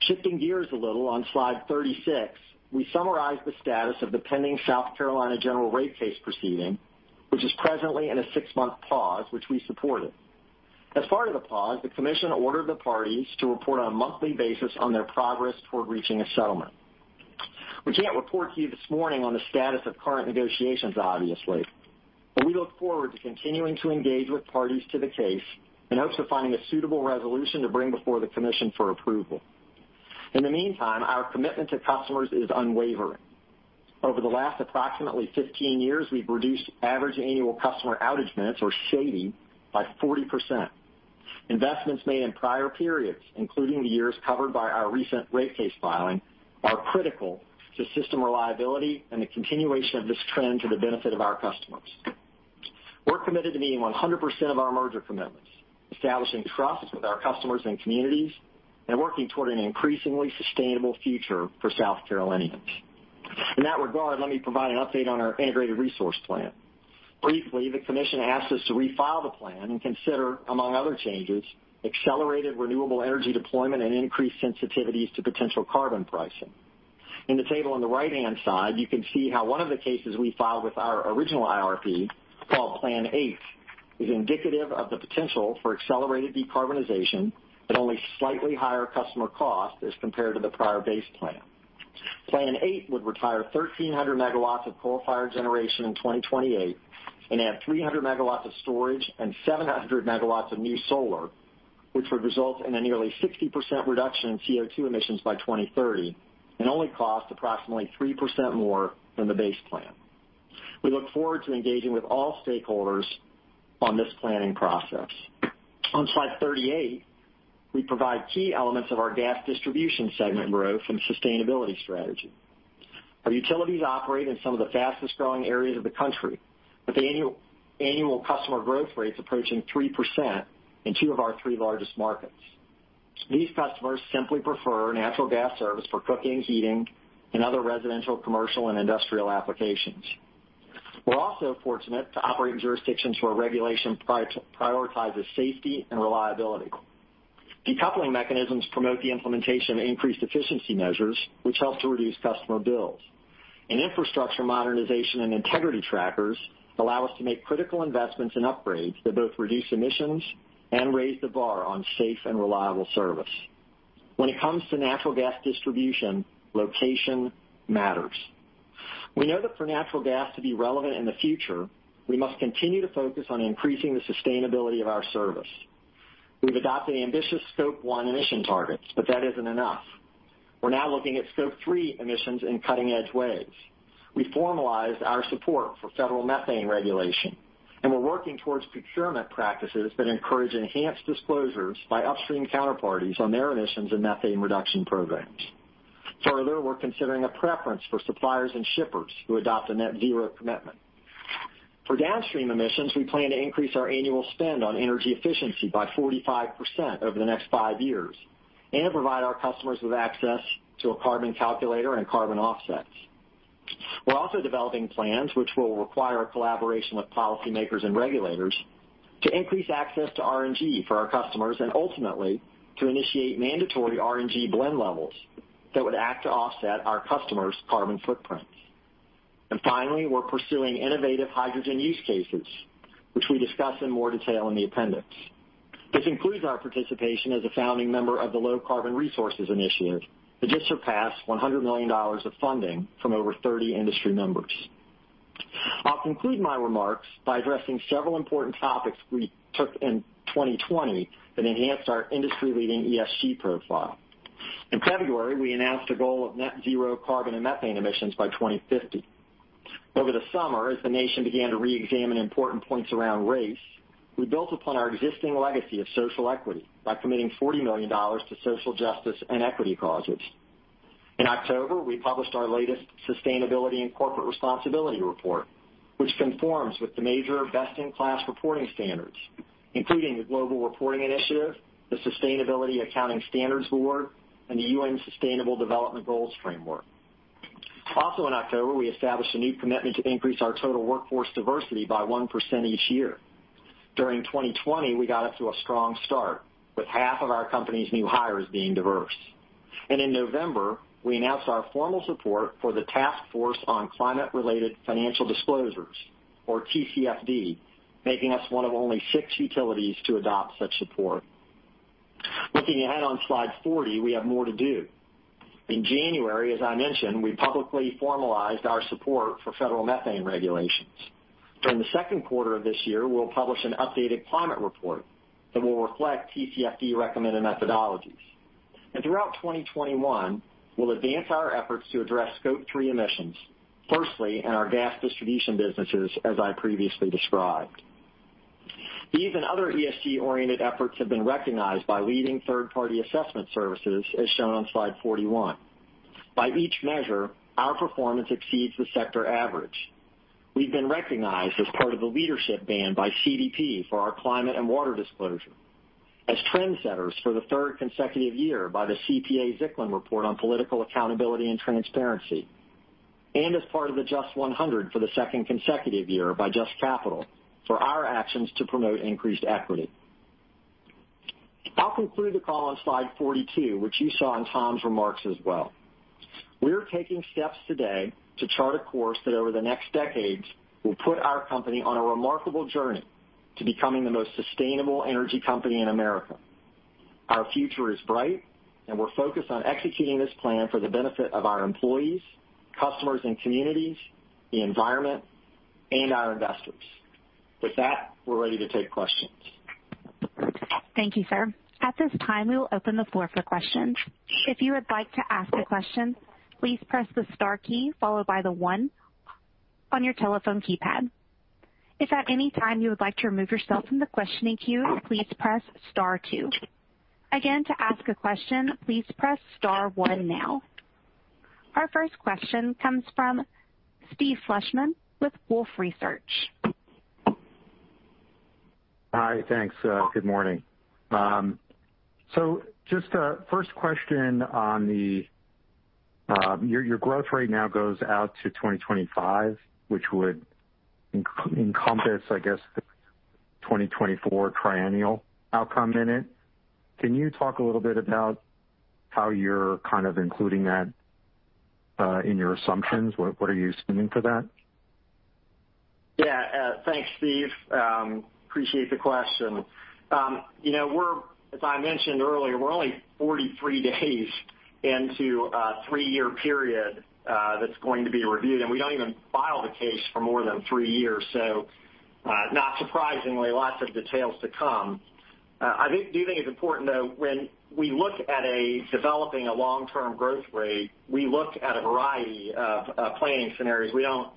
Shifting gears a little on slide 36, we summarize the status of the pending South Carolina general rate case proceeding, which is presently in a six-month pause, which we supported. As part of the pause, the commission ordered the parties to report on a monthly basis on their progress toward reaching a settlement. We can't report to you this morning on the status of current negotiations, obviously. We look forward to continuing to engage with parties to the case in hopes of finding a suitable resolution to bring before the commission for approval. In the meantime, our commitment to customers is unwavering. Over the last approximately 15 years, we've reduced average annual customer outage minutes, or SAIDI, by 40%. Investments made in prior periods, including the years covered by our recent rate case filing, are critical to system reliability and the continuation of this trend to the benefit of our customers. We're committed to meeting 100% of our merger commitments, establishing trust with our customers and communities, and working toward an increasingly sustainable future for South Carolinians. In that regard, let me provide an update on our integrated resource plan. Briefly, the commission asked us to refile the plan and consider, among other changes, accelerated renewable energy deployment and increased sensitivities to potential carbon pricing. In the table on the right-hand side, you can see how one of the cases we filed with our original IRP, called Plan H, is indicative of the potential for accelerated decarbonization at only slightly higher customer cost as compared to the prior base plan. Plan H would retire 1,300 MW of coal-fired generation in 2028 and add 300 MW of storage and 700 MW of new solar, which would result in a nearly 60% reduction in CO2 emissions by 2030 and only cost approximately 3% more than the base plan. We look forward to engaging with all stakeholders on this planning process. On slide 38, we provide key elements of our gas distribution segment growth and sustainability strategy. Our utilities operate in some of the fastest-growing areas of the country, with annual customer growth rates approaching 3% in two of our three largest markets. These customers simply prefer natural gas service for cooking, heating, and other residential, commercial, and industrial applications. We're also fortunate to operate in jurisdictions where regulation prioritizes safety and reliability. Decoupling mechanisms promote the implementation of increased efficiency measures, which help to reduce customer bills. Infrastructure modernization and integrity trackers allow us to make critical investments in upgrades that both reduce emissions and raise the bar on safe and reliable service. When it comes to natural gas distribution, location matters. We know that for natural gas to be relevant in the future, we must continue to focus on increasing the sustainability of our service. We've adopted ambitious Scope 1 emission targets. That isn't enough. We're now looking at Scope 3 emissions in cutting-edge ways. We formalized our support for federal methane regulation, we're working towards procurement practices that encourage enhanced disclosures by upstream counterparties on their emissions and methane reduction programs. Further, we're considering a preference for suppliers and shippers who adopt a net zero commitment. For downstream emissions, we plan to increase our annual spend on energy efficiency by 45% over the next five years and provide our customers with access to a carbon calculator and carbon offsets. Finally, we're developing plans, which will require collaboration with policymakers and regulators, to increase access to RNG for our customers and ultimately to initiate mandatory RNG blend levels that would act to offset our customers' carbon footprints. Finally, we're pursuing innovative hydrogen use cases, which we discuss in more detail in the appendix. This includes our participation as a founding member of the Low-Carbon Resources Initiative that just surpassed $100 million of funding from over 30 industry members. I'll conclude my remarks by addressing several important topics we took in 2020 that enhanced our industry-leading ESG profile. In February, we announced a goal of net zero carbon and methane emissions by 2050. Over the summer, as the nation began to reexamine important points around race, we built upon our existing legacy of social equity by committing $40 million to social justice and equity causes. In October, we published our latest Sustainability and Corporate Responsibility Report, which conforms with the major best-in-class reporting standards, including the Global Reporting Initiative, the Sustainability Accounting Standards Board, and the UN Sustainable Development Goals framework. Also in October, we established a new commitment to increase our total workforce diversity by 1% each year. During 2020, we got off to a strong start, with half of our company's new hires being diverse. In November, we announced our formal support for the Task Force on Climate-related Financial Disclosures, or TCFD, making us one of only six utilities to adopt such support. Looking ahead on slide 40, we have more to do. In January, as I mentioned, we publicly formalized our support for federal methane regulations. During the second quarter of this year, we'll publish an updated climate report that will reflect TCFD-recommended methodologies. Throughout 2021, we'll advance our efforts to address Scope 3 emissions, firstly in our gas distribution businesses, as I previously described. These and other ESG-oriented efforts have been recognized by leading third-party assessment services, as shown on slide 41. By each measure, our performance exceeds the sector average. We've been recognized as part of the leadership band by CDP for our climate and water disclosure, as trendsetters for the third consecutive year by the CPA-Zicklin report on political accountability and transparency, and as part of the JUST 100 for the second consecutive year by JUST Capital for our actions to promote increased equity. I'll conclude the call on slide 42, which you saw in Tom's remarks as well. We're taking steps today to chart a course that over the next decades will put our company on a remarkable journey to becoming the most sustainable energy company in America. Our future is bright, and we're focused on executing this plan for the benefit of our employees, customers and communities, the environment, and our investors. With that, we're ready to take questions. Thank you, sir. At this time we will open the floor for questions. If you would like to ask a question please press the star key followed by the one on your telephone keypad. If at any time you would like to remove yourself from the question queue please press star two. Again to ask a question please press star one now. Our first question comes from Steve Fleishman with Wolfe Research. Hi. Thanks. Good morning. Just a first question on your growth rate now goes out to 2025, which would encompass, I guess, the 2024 triennial outcome in it. Can you talk a little bit about how you're kind of including that in your assumptions? What are you assuming for that? Thanks, Steve. Appreciate the question. As I mentioned earlier, we're only 43 days into a three-year period that's going to be reviewed, and we don't even file the case for more than three years. Not surprisingly, lots of details to come. I do think it's important, though, when we look at developing a long-term growth rate, we look at a variety of planning scenarios. We don't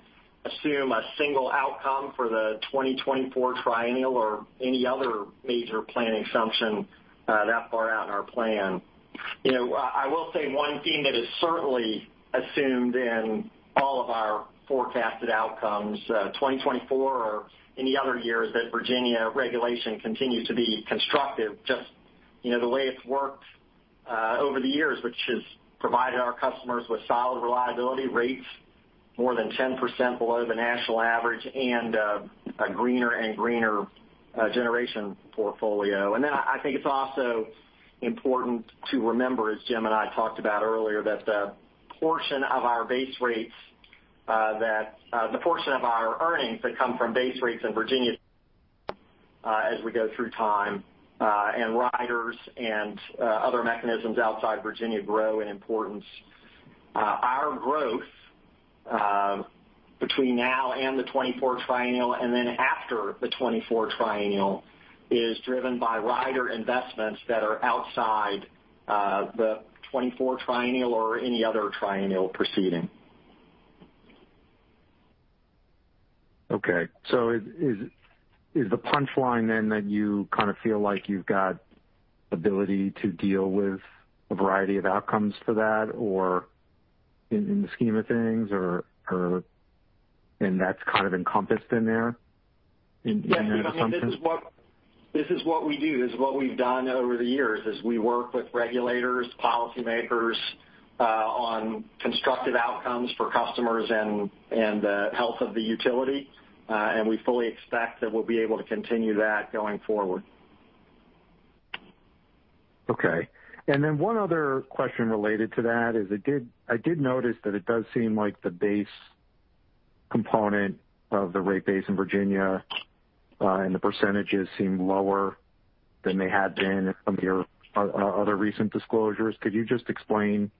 assume a single outcome for the 2024 triennial or any other major planning assumption that far out in our plan. I will say one theme that is certainly assumed in all of our forecasted outcomes, 2024 or any other year, is that Virginia regulation continues to be constructive, just the way it's worked over the years, which has provided our customers with solid reliability rates more than 10% below the national average and a greener and greener generation portfolio. I think it's also important to remember, as Jim and I talked about earlier, that the portion of our earnings that come from base rates in Virginia as we go through time, and riders and other mechanisms outside Virginia grow in importance. Our growth between now and the 2024 triennial, after the 2024 triennial, is driven by rider investments that are outside the 2024 triennial or any other triennial proceeding. Okay, is the punchline then that you kind of feel like you've got ability to deal with a variety of outcomes for that or in the scheme of things or and that's kind of encompassed in there in some sense? This is what we do. This is what we've done over the years, is we work with regulators, policymakers on constructive outcomes for customers and the health of the utility. We fully expect that we'll be able to continue that going forward. Okay. One other question related to that is, I did notice that it does seem like the base component of the rate base in Virginia, and the percentages seem lower than they had been from your other recent disclosures. Could you just explain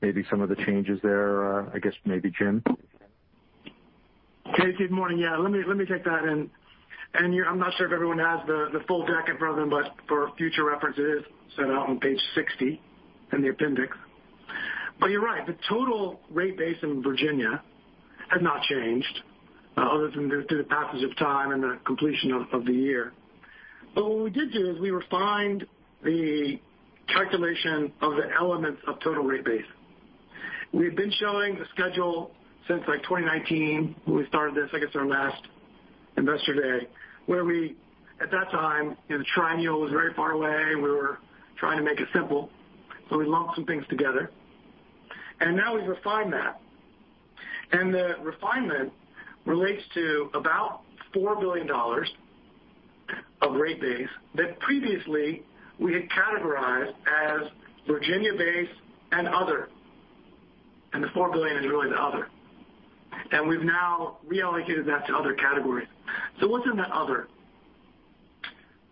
maybe some of the changes there? I guess maybe Jim? Okay, Steve, morning. Yeah, let me take that, and I'm not sure if everyone has the full deck in front of them, but for future reference, it is set out on page 60 in the appendix. You're right, the total rate base in Virginia has not changed other than through the passage of time and the completion of the year. What we did do is we refined the calculation of the elements of total rate base. We had been showing the schedule since like 2019 when we started this, I guess our last Investor Day, where we, at that time, the triennial was very far away. We were trying to make it simple, so we lumped some things together, and now we've refined that. The refinement relates to about $4 billion of rate base that previously we had categorized as Virginia Base and other, and the $4 billion is really the other. We've now reallocated that to other categories. What's in that other?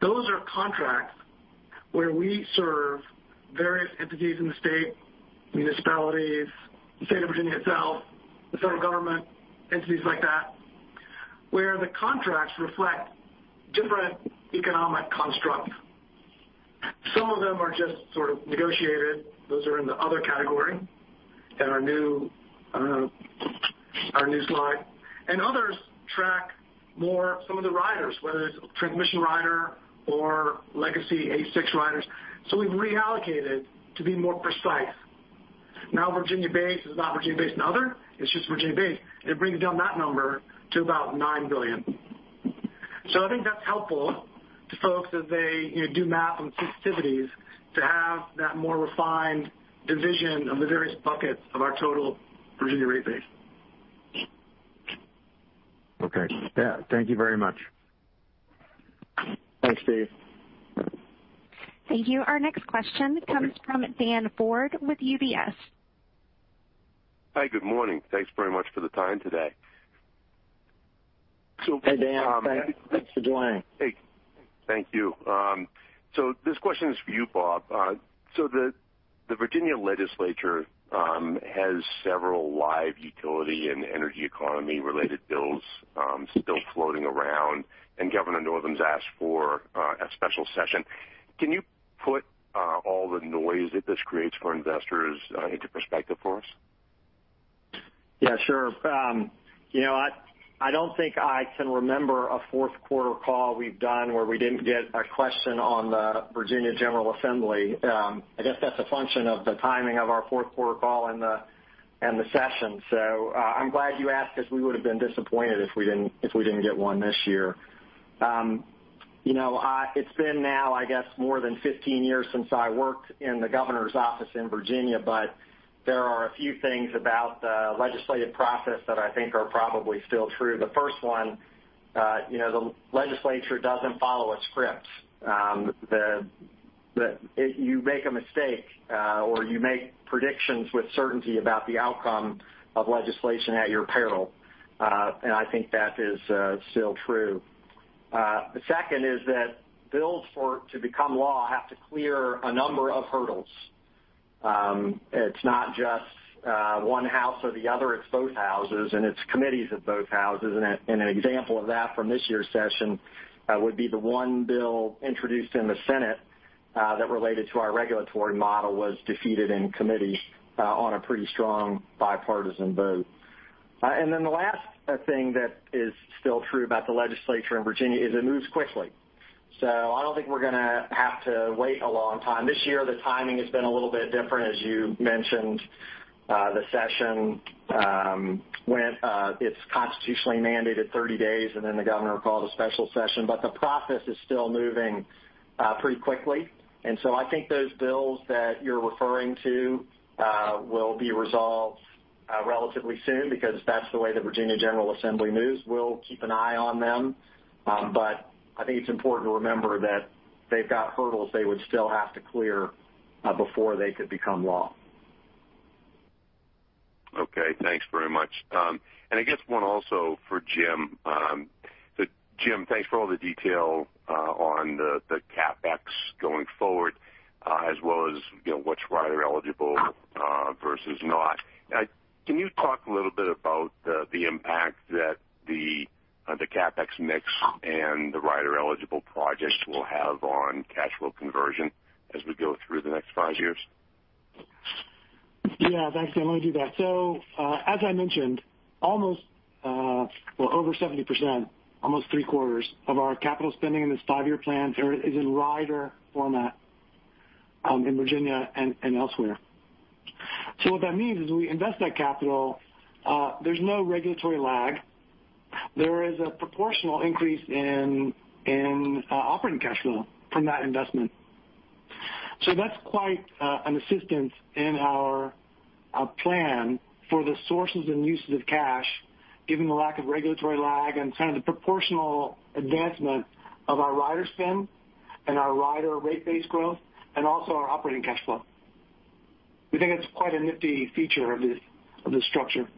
Those are contracts where we serve various entities in the State, municipalities, the State of Virginia itself, the Federal Government, entities like that, where the contracts reflect different economic constructs. Some of them are just sort of negotiated. Those are in the other category in our new slide. Others track more some of the riders, whether it's a transmission rider or legacy H6 riders. We've reallocated to be more precise. Virginia Base is not Virginia Base and other, it's just Virginia Base, and it brings down that number to about $9 billion. I think that's helpful to folks as they do math on sensitivities to have that more refined division of the various buckets of our total Virginia rate base. Okay. Yeah. Thank you very much. Thanks, Steve. Thank you. Our next question comes from Dan Ford with UBS. Hi, good morning. Thanks very much for the time today. Hey, Dan. Thanks for joining. Hey. Thank you. This question is for you, Bob. The Virginia legislature has several live utility and energy economy-related bills still floating around, and Governor Northam's asked for a special session. Can you put all the noise that this creates for investors into perspective for us? Yeah, sure. I don't think I can remember a fourth quarter call we've done where we didn't get a question on the Virginia General Assembly. I guess that's a function of the timing of our fourth quarter call and the session. I'm glad you asked because we would have been disappointed if we didn't get one this year. It's been now, I guess, more than 15 years since I worked in the governor's office in Virginia, there are a few things about the legislative process that I think are probably still true. The first one, the legislature doesn't follow a script. That you make a mistake, or you make predictions with certainty about the outcome of legislation at your peril. I think that is still true. The second is that bills to become law have to clear a number of hurdles. It's not just one house or the other, it's both houses, and it's committees of both houses. An example of that from this year's session would be the one bill introduced in the Senate that related to our regulatory model was defeated in committee on a pretty strong bipartisan vote. The last thing that is still true about the legislature in Virginia is it moves quickly. I don't think we're going to have to wait a long time. This year, the timing has been a little bit different, as you mentioned. The session went its constitutionally mandated 30 days, and then the governor called a special session, but the process is still moving pretty quickly. I think those bills that you're referring to will be resolved relatively soon because that's the way the Virginia General Assembly moves. We'll keep an eye on them. I think it's important to remember that they've got hurdles they would still have to clear before they could become law. Okay, thanks very much. I guess one also for Jim. Jim, thanks for all the detail on the CapEx going forward as well as what's rider-eligible versus not. Can you talk a little bit about the impact that the CapEx mix and the rider-eligible projects will have on cash flow conversion as we go through the next five years? Yeah, thanks, Dan. Let me do that. As I mentioned, over 70%, almost 3/4 of our capital spending in this five-year plan is in rider format in Virginia and elsewhere. What that means is we invest that capital, there's no regulatory lag. There is a proportional increase in operating cash flow from that investment. That's quite an assistance in our plan for the sources and uses of cash, given the lack of regulatory lag and the proportional advancement of our rider spend and our rider rate base growth, and also our operating cash flow. We think it's quite a nifty feature of this structure.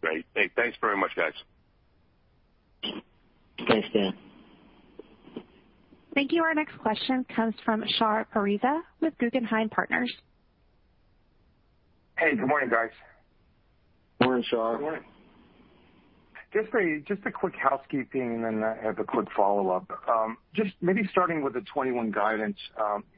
Great. Hey, thanks very much, guys. Thanks, Dan. Thank you. Our next question comes from Shar Pourreza with Guggenheim Partners. Hey, good morning, guys. Morning, Shar. Morning. Just a quick housekeeping, and then I have a quick follow-up. Just maybe starting with the 2021 guidance.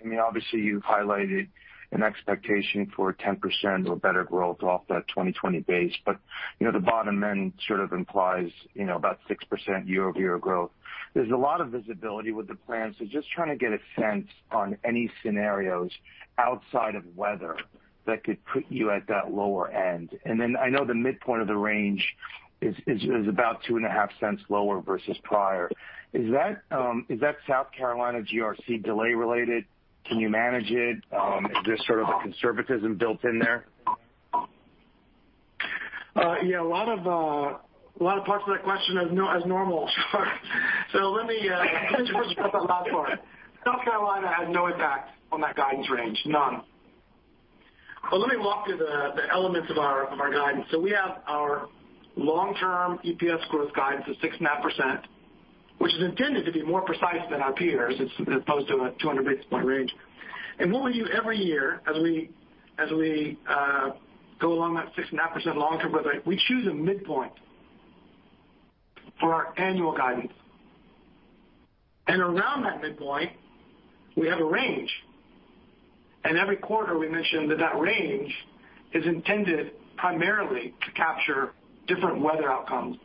Obviously, you've highlighted an expectation for 10% or better growth off that 2020 base. The bottom end sort of implies about 6% year-over-year growth. There's a lot of visibility with the plan, so just trying to get a sense on any scenarios outside of weather that could put you at that lower end. I know the midpoint of the range is about $0.025 lower versus prior. Is that South Carolina GRC delay related? Can you manage it? Is there sort of a conservatism built in there? Yeah, a lot of parts of that question as normal, Shar. Let me just address that last part. South Carolina had no impact on that guidance range, none. Let me walk through the elements of our guidance. We have our long-term EPS growth guidance of 6.5%, which is intended to be more precise than our peers as opposed to a 200 basis point range. What we do every year as we go along that 6.5% long-term growth rate, we choose a midpoint for our annual guidance. Around that midpoint, we have a range. Every quarter we mention that that range is intended primarily to capture different weather outcomes.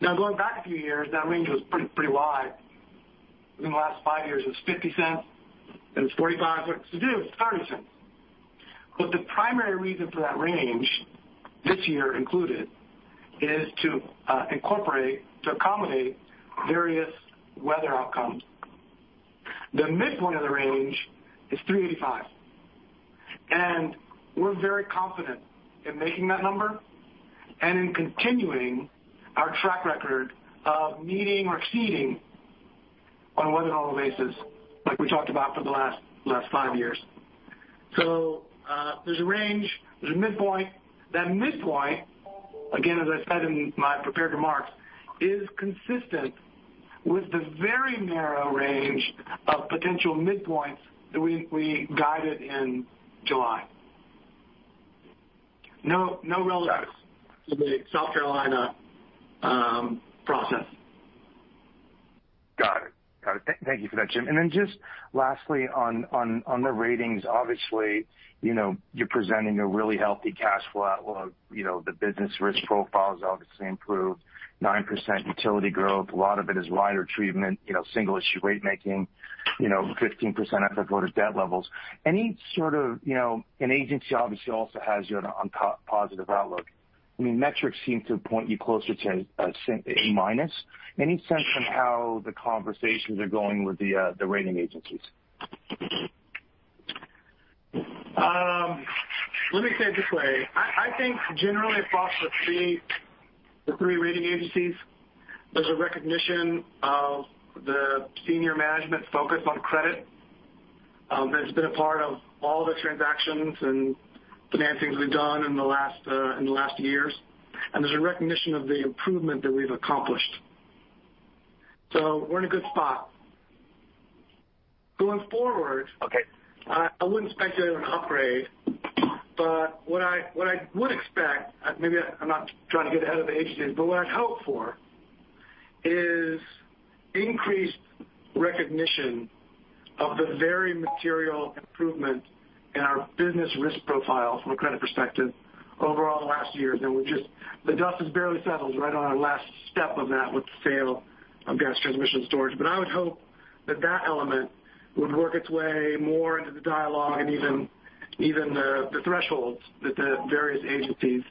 Now, going back a few years, that range was pretty wide. Within the last five years, it was $0.50, then it was $0.45, this year it was $0.30. The primary reason for that range this year included is to accommodate various weather outcomes. The midpoint of the range is 385, and we're very confident in making that number and in continuing our track record of meeting or exceeding on a weather normal basis like we talked about for the last five years. There's a range, there's a midpoint. That midpoint, again, as I said in my prepared remarks, is consistent with the very narrow range of potential midpoints that we guided in July. No relevance to the South Carolina process. Got it. Thank you for that, Jim. Just lastly on the ratings, obviously, you're presenting a really healthy cash flow outlook. The business risk profile is obviously improved, 9% utility growth. A lot of it is rider treatment, single-issue rate making, 15% debt levels. An agency obviously also has you on positive outlook. Metrics seem to point you closer to A-. Any sense on how the conversations are going with the rating agencies? Let me say it this way. I think generally across the three rating agencies, there's a recognition of the senior management focus on credit that has been a part of all the transactions and financings we've done in the last years. There's a recognition of the improvement that we've accomplished. We're in a good spot. Okay. I wouldn't speculate on an upgrade. What I would expect, maybe I'm not trying to get ahead of the agencies, but what I'd hope for is increased recognition of the very material improvement in our business risk profile from a credit perspective over all the last years. The dust has barely settled right on our last step of that with the sale of gas transmission storage. I would hope that that element would work its way more into the dialogue and even the thresholds that the various agencies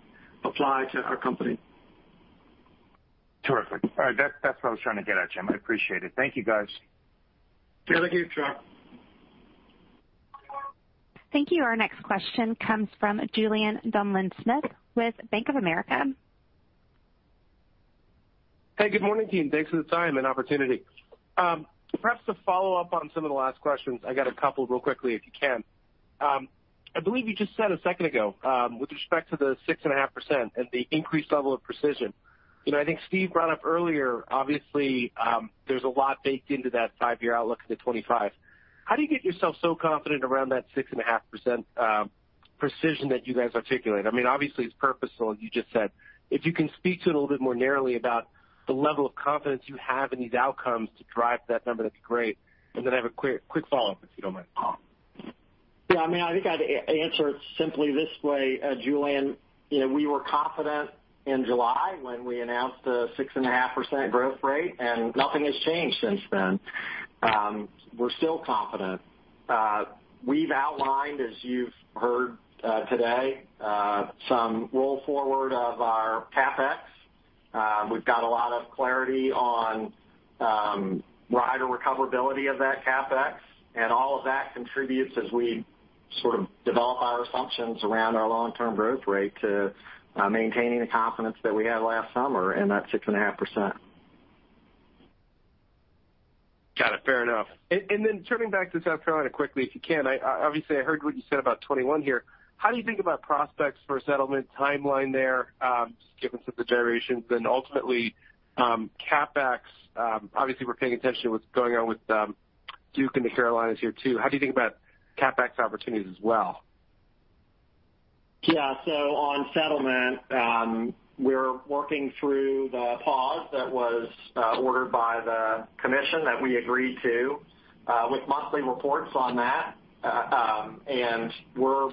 apply to our company. Terrific. All right. That's what I was trying to get at, Jim. I appreciate it. Thank you, guys. Yeah. Thank you, Shar. Thank you. Our next question comes from Julien Dumoulin-Smith with Bank of America. Hey, good morning, team. Thanks for the time and opportunity. Perhaps to follow up on some of the last questions, I got a couple real quickly, if you can. I believe you just said a second ago, with respect to the 6.5% and the increased level of precision. I think Steve brought up earlier, obviously, there's a lot baked into that five-year outlook into 2025. How do you get yourself so confident around that 6.5% precision that you guys articulate? Obviously, it's purposeful, you just said. If you can speak to it a little bit more narrowly about the level of confidence you have in these outcomes to drive that number, that'd be great. Then I have a quick follow-up, if you don't mind. Yeah, I think I'd answer it simply this way, Julien. We were confident in July when we announced the 6.5% growth rate. Nothing has changed since then. We're still confident. We've outlined, as you've heard today, some roll forward of our CapEx. We've got a lot of clarity on rider recoverability of that CapEx. All of that contributes as we sort of develop our assumptions around our long-term growth rate to maintaining the confidence that we had last summer in that 6.5%. Got it. Fair enough. Turning back to South Carolina quickly, if you can. Obviously, I heard what you said about 2021 here. How do you think about prospects for a settlement timeline there, given some of the variations and ultimately, CapEx? Obviously, we're paying attention to what's going on with Duke and the Carolinas here too. How do you think about CapEx opportunities as well? Yeah. On settlement, we're working through the pause that was ordered by the commission that we agreed to, with monthly reports on that. We're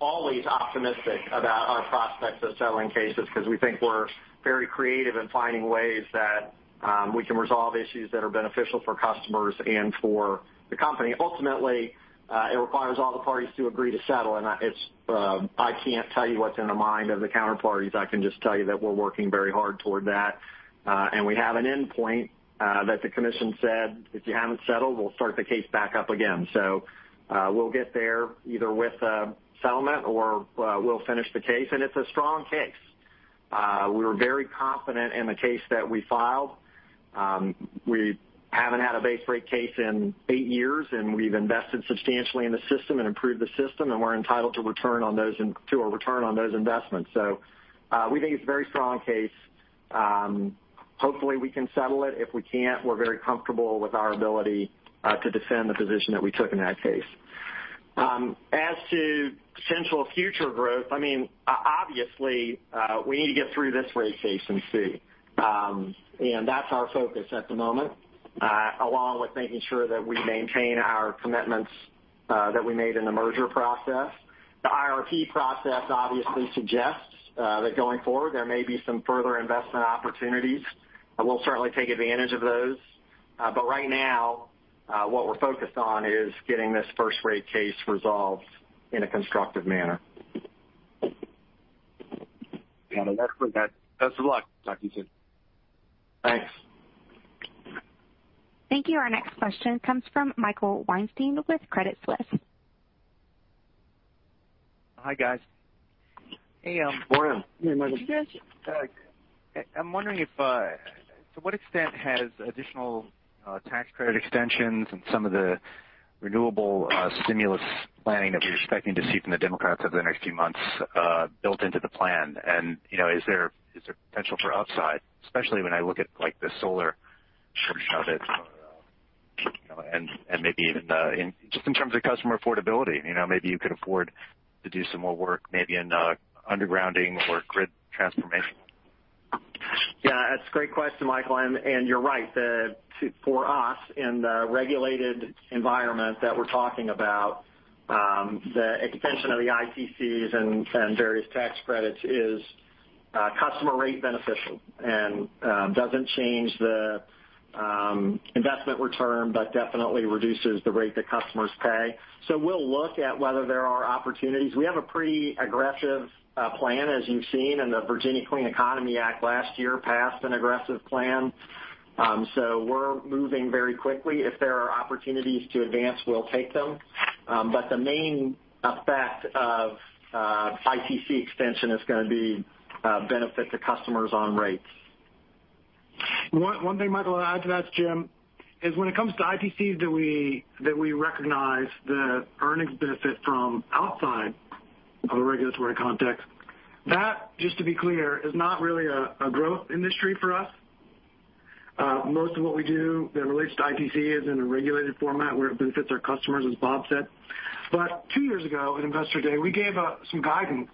always optimistic about our prospects of settling cases because we think we're very creative in finding ways that we can resolve issues that are beneficial for customers and for the company. Ultimately, it requires all the parties to agree to settle, and I can't tell you what's in the mind of the counterparties. I can just tell you that we're working very hard toward that. We have an endpoint that the commission said, "If you haven't settled, we'll start the case back up again." We'll get there either with a settlement or we'll finish the case. It's a strong case. We were very confident in the case that we filed. We haven't had a base rate case in eight years, and we've invested substantially in the system and improved the system, and we're entitled to a return on those investments. We think it's a very strong case. Hopefully, we can settle it. If we can't, we're very comfortable with our ability to defend the position that we took in that case. As to potential future growth, obviously, we need to get through this rate case and see. That's our focus at the moment, along with making sure that we maintain our commitments that we made in the merger process. The IRP process obviously suggests that going forward, there may be some further investment opportunities, and we'll certainly take advantage of those. Right now, what we're focused on is getting this first rate case resolved in a constructive manner. Got it. Absolutely. Best of luck. Talk to you soon. Thanks. Thank you. Our next question comes from Michael Weinstein with Credit Suisse. Hi, guys. Hey. Morning. Hey, Michael. I'm wondering to what extent has additional tax credit extensions and some of the renewable stimulus planning that we're expecting to see from the Democrats over the next few months built into the plan? Is there potential for upside, especially when I look at the solar portion of it, and maybe even just in terms of customer affordability? Maybe you could afford to do some more work, maybe in undergrounding or grid transformation. Yeah, that's a great question, Michael, and you're right. For us, in the regulated environment that we're talking about, the extension of the ITCs and various tax credits is customer rate beneficial and doesn't change the investment return, but definitely reduces the rate that customers pay. We'll look at whether there are opportunities. We have a pretty aggressive plan, as you've seen, and the Virginia Clean Economy Act last year passed an aggressive plan. We're moving very quickly. If there are opportunities to advance, we'll take them. The main effect of ITC extension is going to be a benefit to customers on rates. One thing, Michael, I'll add to that. It's Jim, is when it comes to ITCs that we recognize the earnings benefit from outside of a regulatory context, that, just to be clear, is not really a growth industry for us. Most of what we do that relates to ITC is in a regulated format where it benefits our customers, as Bob said. Two years ago at Investor Day, we gave some guidance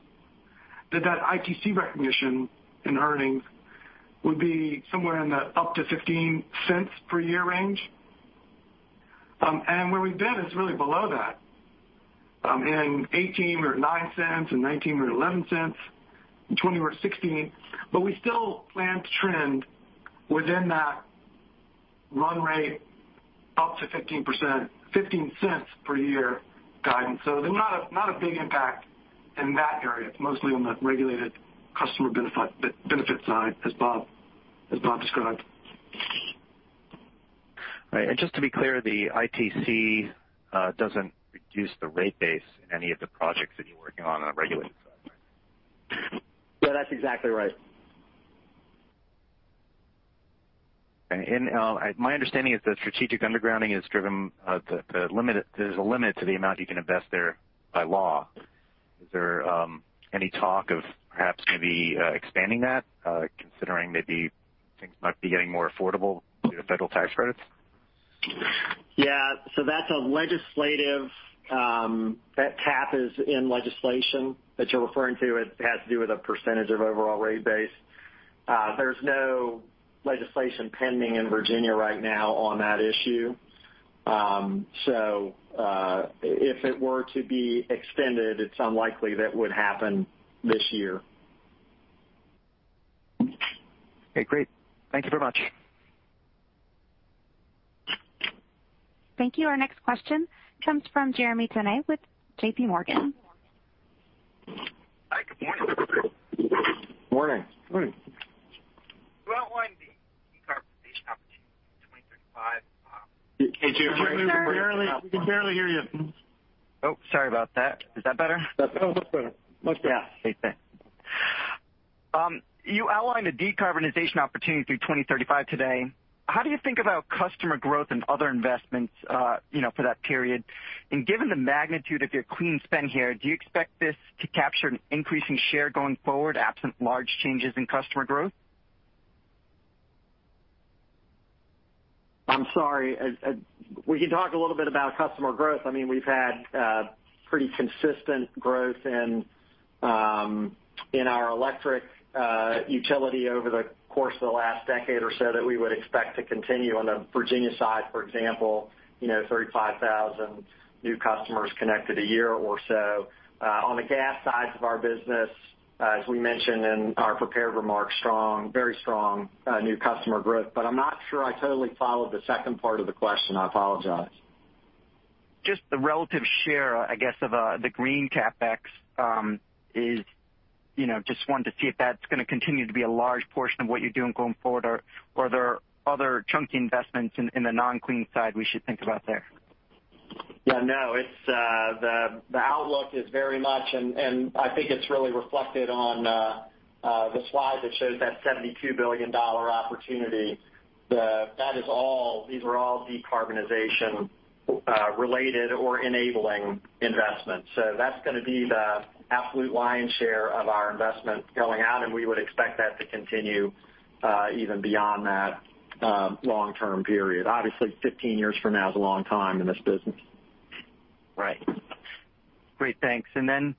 that ITC recognition in earnings would be somewhere in the up to $0.15 per year range. Where we've been is really below that. In 2018, we were at $0.09, in 2019 we were at $0.11, in 2020 we were at $0.16. We still plan to trend within that run rate up to $0.15 per year guidance. Not a big impact in that area. Mostly on the regulated customer benefit side, as Bob described. Right. Just to be clear, the ITC doesn't reduce the rate base in any of the projects that you're working on a regulated side. Yeah, that's exactly right. My understanding is that strategic undergrounding is driven, there's a limit to the amount you can invest there by law. Is there any talk of perhaps maybe expanding that, considering maybe things might be getting more affordable due to federal tax credits? That cap is in legislation that you're referring to. It has to do with a percentage of overall rate base. There's no legislation pending in Virginia right now on that issue. If it were to be extended, it's unlikely that would happen this year. Okay, great. Thank you very much. Thank you. Our next question comes from Jeremy Tonet with JPMorgan. Hi, good morning. Morning. Morning. You outlined the decarbonization opportunity through 2035. Hey, Jeremy. We can barely hear you. Oh, sorry about that. Is that better? That's much better. Much better. Yeah. Okay, thanks. You outlined the decarbonization opportunity through 2035 today. How do you think about customer growth and other investments for that period? Given the magnitude of your clean spend here, do you expect this to capture an increasing share going forward, absent large changes in customer growth? I'm sorry. We can talk a little bit about customer growth. We've had pretty consistent growth in our electric utility over the course of the last decade or so that we would expect to continue. On the Virginia side, for example, 35,000 new customers connected a year or so. On the gas side of our business, as we mentioned in our prepared remarks, very strong new customer growth. I'm not sure I totally followed the second part of the question. I apologize. Just the relative share, I guess, of the green CapEx is, just wanted to see if that's going to continue to be a large portion of what you're doing going forward or are there other chunky investments in the non-clean side we should think about there? The outlook is very much, and I think it's really reflected on the slide that shows that $72 billion opportunity. These are all decarbonization-related or enabling investments. That's going to be the absolute lion's share of our investment going out, and we would expect that to continue even beyond that long-term period. Obviously, 15 years from now is a long time in this business. Right. Great. Thanks. Then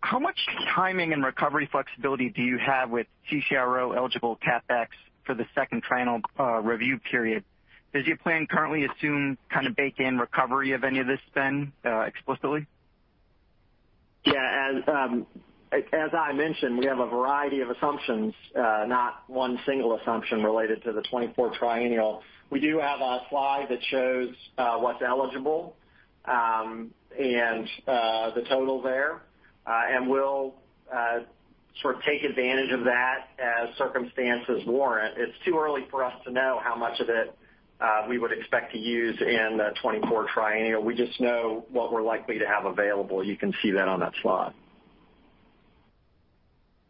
how much timing and recovery flexibility do you have with CCRO-eligible CapEx for the second triennial review period? Does your plan currently assume kind of bake in recovery of any of this spend explicitly? Yeah. As I mentioned, we have a variety of assumptions, not one single assumption related to the 2024 triennial. We do have a slide that shows what's eligible, and the total there, and we'll sort of take advantage of that as circumstances warrant. It's too early for us to know how much of it we would expect to use in the 2024 triennial. We just know what we're likely to have available. You can see that on that slide.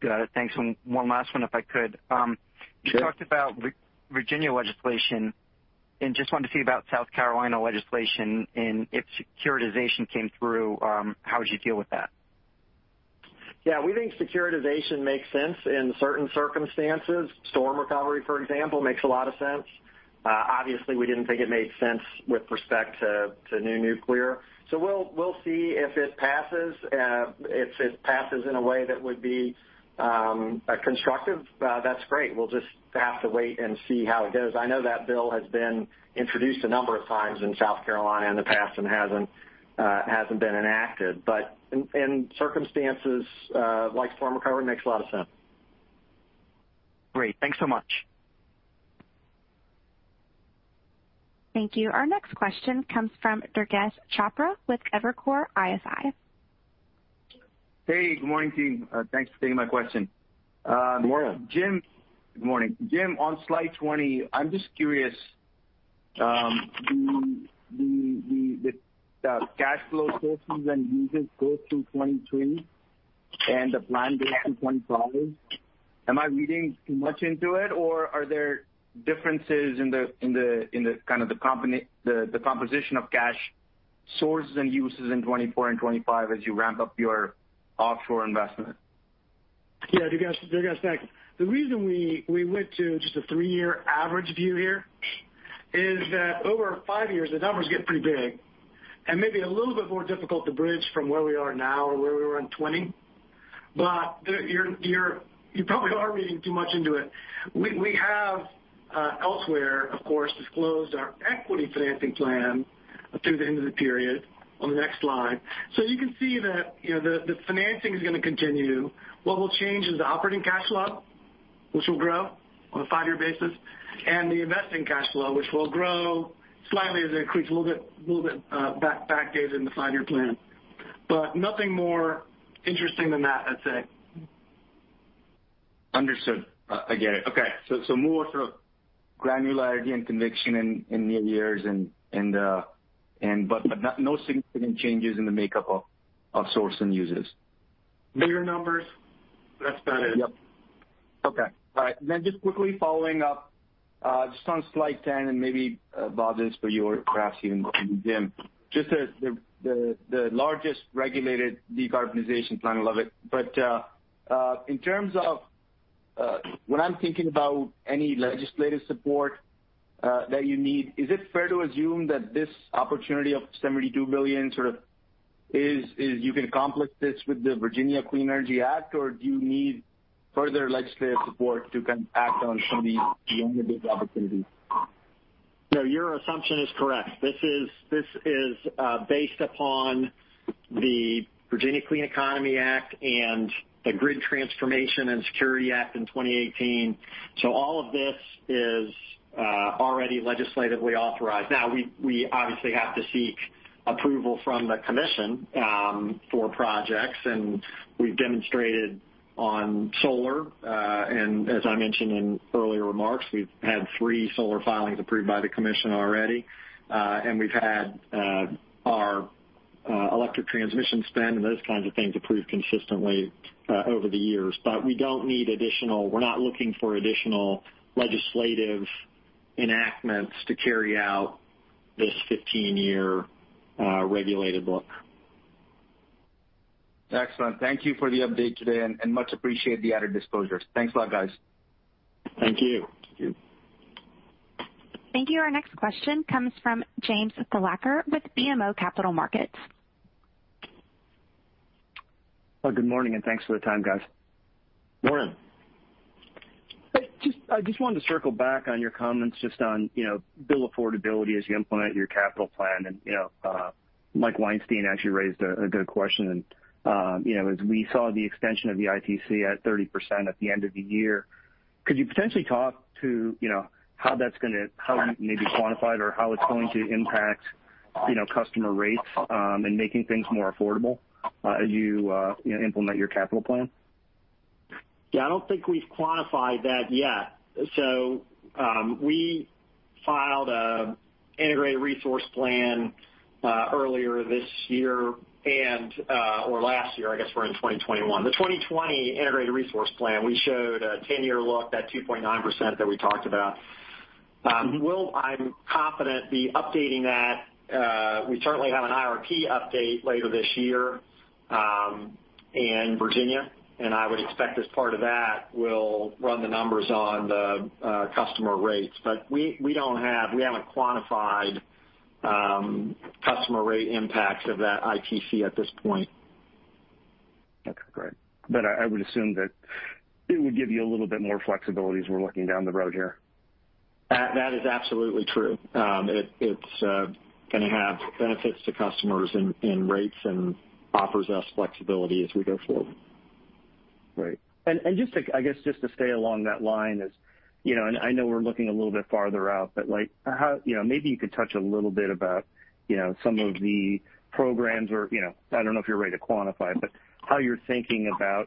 Got it. Thanks. One last one if I could. Sure. You talked about Virginia legislation and just wanted to see about South Carolina legislation and if securitization came through, how would you deal with that? Yeah. We think securitization makes sense in certain circumstances. Storm recovery, for example, makes a lot of sense. Obviously, we didn't think it made sense with respect to new nuclear. We'll see if it passes. If it passes in a way that would be constructive, that's great. We'll just have to wait and see how it goes. I know that bill has been introduced a number of times in South Carolina in the past and hasn't been enacted. In circumstances like storm recovery, it makes a lot of sense. Great. Thanks so much. Thank you. Our next question comes from Durgesh Chopra with Evercore ISI. Hey, good morning, team. Thanks for taking my question. Good morning. Jim. Good morning. Jim, on slide 20, I'm just curious, the cash flow sources and uses go through 2020 and the plan goes to 2025. Am I reading too much into it, or are there differences in the composition of cash sources and uses in 2024 and 2025 as you ramp up your offshore investment? Yeah. Durgesh, thanks. The reason we went to just a three-year average view here is that over five years, the numbers get pretty big and maybe a little bit more difficult to bridge from where we are now or where we were in 2020. You probably are reading too much into it. We have elsewhere, of course, disclosed our equity financing plan through the end of the period on the next slide. You can see that the financing is going to continue. What will change is the operating cash flow, which will grow on a five-year basis, and the investing cash flow, which will grow slightly as it creeps a little bit back years in the five-year plan. Nothing more interesting than that, I'd say. Understood. I get it. Okay. More sort of granularity and conviction in near years but no significant changes in the makeup of source and uses. Bigger numbers. That's about it. Yep. Okay. All right. Just quickly following up just on slide 10, and maybe, Bob, this is for you or perhaps even Jim, just the largest regulated decarbonization plan. I love it. In terms of when I'm thinking about any legislative support that you need, is it fair to assume that this opportunity of $72 billion, you can accomplish this with the Virginia Clean Economy Act, or do you need further legislative support to kind of act on some of these generative opportunities? No, your assumption is correct. This is based upon the Virginia Clean Economy Act and the Grid Transformation and Security Act in 2018. All of this is already legislatively authorized. Now, we obviously have to seek approval from the commission for projects, and we've demonstrated on solar. As I mentioned in earlier remarks, we've had three solar filings approved by the commission already. We've had our electric transmission spend and those kinds of things approved consistently over the years. We're not looking for additional legislative enactments to carry out this 15-year regulated book. Excellent. Thank you for the update today, and much appreciate the added disclosures. Thanks a lot, guys. Thank you. Thank you. Thank you. Our next question comes from James Thalacker with BMO Capital Markets. Well, good morning, and thanks for the time, guys. Morning. I just wanted to circle back on your comments just on bill affordability as you implement your capital plan. Michael Weinstein actually raised a good question. As we saw the extension of the ITC at 30% at the end of the year, could you potentially talk to how you maybe quantify it or how it's going to impact customer rates and making things more affordable as you implement your capital plan? Yeah, I don't think we've quantified that yet. We filed an integrated resource plan earlier this year or last year, I guess we're in 2021. The 2020 integrated resource plan, we showed a 10-year look, that 2.9% that we talked about. I'm confident we'll be updating that. We certainly have an IRP update later this year in Virginia. I would expect as part of that, we'll run the numbers on the customer rates. We haven't quantified customer rate impacts of that ITC at this point. Okay, great. I would assume that it would give you a little bit more flexibility as we're looking down the road here. That is absolutely true. It is going to have benefits to customers in rates and offers us flexibility as we go forward. Great. I guess just to stay along that line is, and I know we're looking a little bit farther out, but maybe you could touch a little bit about some of the programs or, I don't know if you're ready to quantify it, but how you're thinking about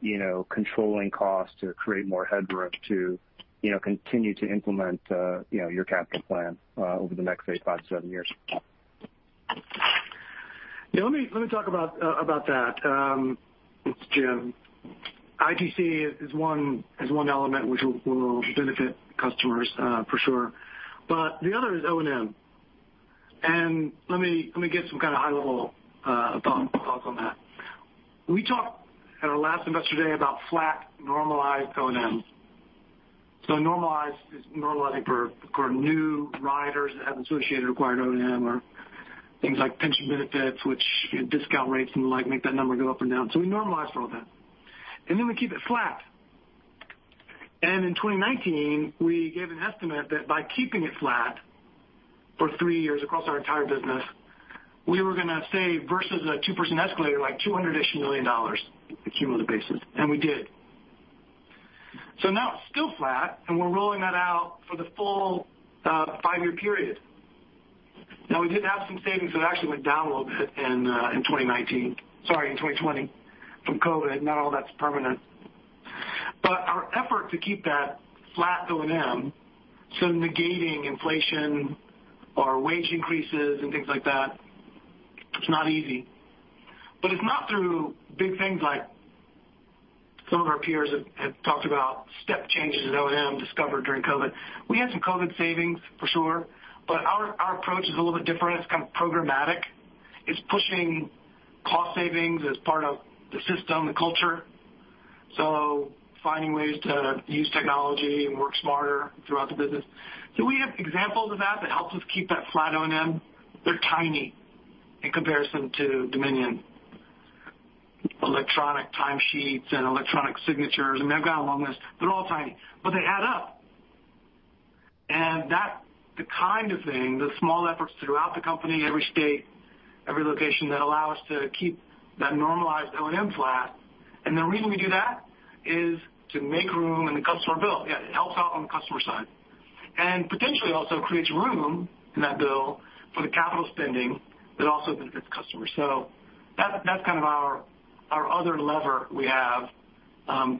controlling costs to create more headroom to continue to implement your capital plan over the next say, five to seven years. Let me talk about that. It's Jim. ITC is one element which will benefit customers for sure. The other is O&M. Let me give some kind of high-level thoughts on that. We talked at our last Investor Day about flat normalized O&Ms. Normalized is normalizing for new riders that have associated required O&M or things like pension benefits, which discount rates and the like make that number go up and down. We normalize for all that, and then we keep it flat. In 2019, we gave an estimate that by keeping it flat for three years across our entire business, we were going to save, versus a 2% escalator, like $200 million-ish cumulative basis. We did. Now it's still flat, and we're rolling that out for the full five-year period. Now, we did have some savings that actually went down a little bit in 2019, sorry, in 2020 from COVID. Not all that's permanent. Our effort to keep that flat O&M, so negating inflation or wage increases and things like that, it's not easy. It's not through big things like some of our peers have talked about step changes in O&M discovered during COVID. We had some COVID savings for sure, but our approach is a little bit different. It's kind of programmatic. It's pushing cost savings as part of the system, the culture. Finding ways to use technology and work smarter throughout the business. We have examples of that helps us keep that flat O&M. They're tiny in comparison to Dominion. Electronic time sheets and electronic signatures. I mean, I've got a long list. They're all tiny, but they add up. That's the kind of thing, the small efforts throughout the company, every state, every location that allow us to keep that normalized O&M flat. The reason we do that is to make room in the customer bill. Yeah, it helps out on the customer side and potentially also creates room in that bill for the capital spending that also benefits customers. That's kind of our other lever we have,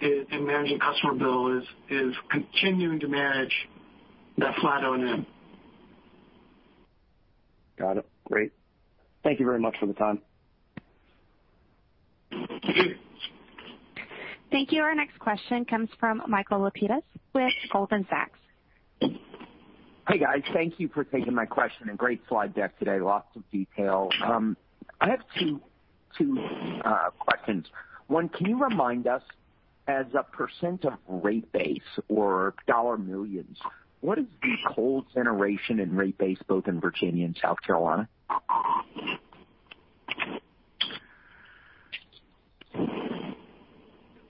is in managing customer bill is continuing to manage that flat O&M. Got it. Great. Thank you very much for the time. Thank you. Our next question comes from Michael Lapides with Goldman Sachs. Hey, guys. Thank you for taking my question and great slide deck today. Lots of detail. I have two questions. One, can you remind us, as a percent of rate base or dollar millions, what is coal generation and rate base both in Virginia and South Carolina?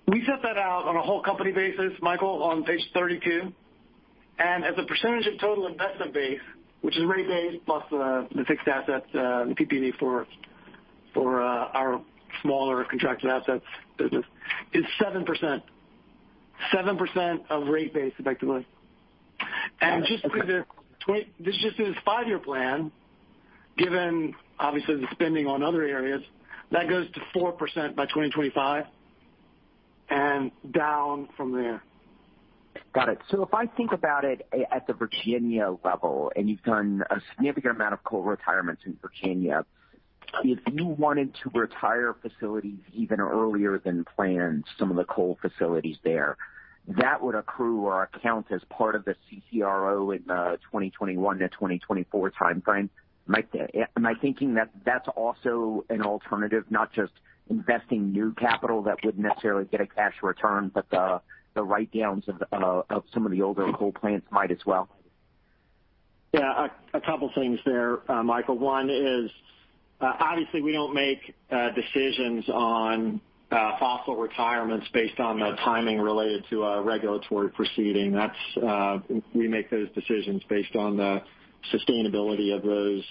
We set that out on a whole company basis, Michael, on page 32. As a percentage of total investment base, which is rate base plus the fixed assets, the PPE for our smaller contracted assets business, is 7%. 7% of rate base, effectively. Got it. Okay. This just is five-year plan, given obviously the spending on other areas, that goes to 4% by 2025 and down from there. Got it. If I think about it at the Virginia level, and you've done a significant amount of coal retirements in Virginia, if you wanted to retire facilities even earlier than planned, some of the coal facilities there, that would accrue or account as part of the CCRO in the 2021 to 2024 timeframe. Am I thinking that that's also an alternative, not just investing new capital that would necessarily get a cash return, but the write-downs of some of the older coal plants might as well? Yeah, a couple things there, Michael. One is, obviously we don't make decisions on fossil retirements based on the timing related to a regulatory proceeding. We make those decisions based on the sustainability of those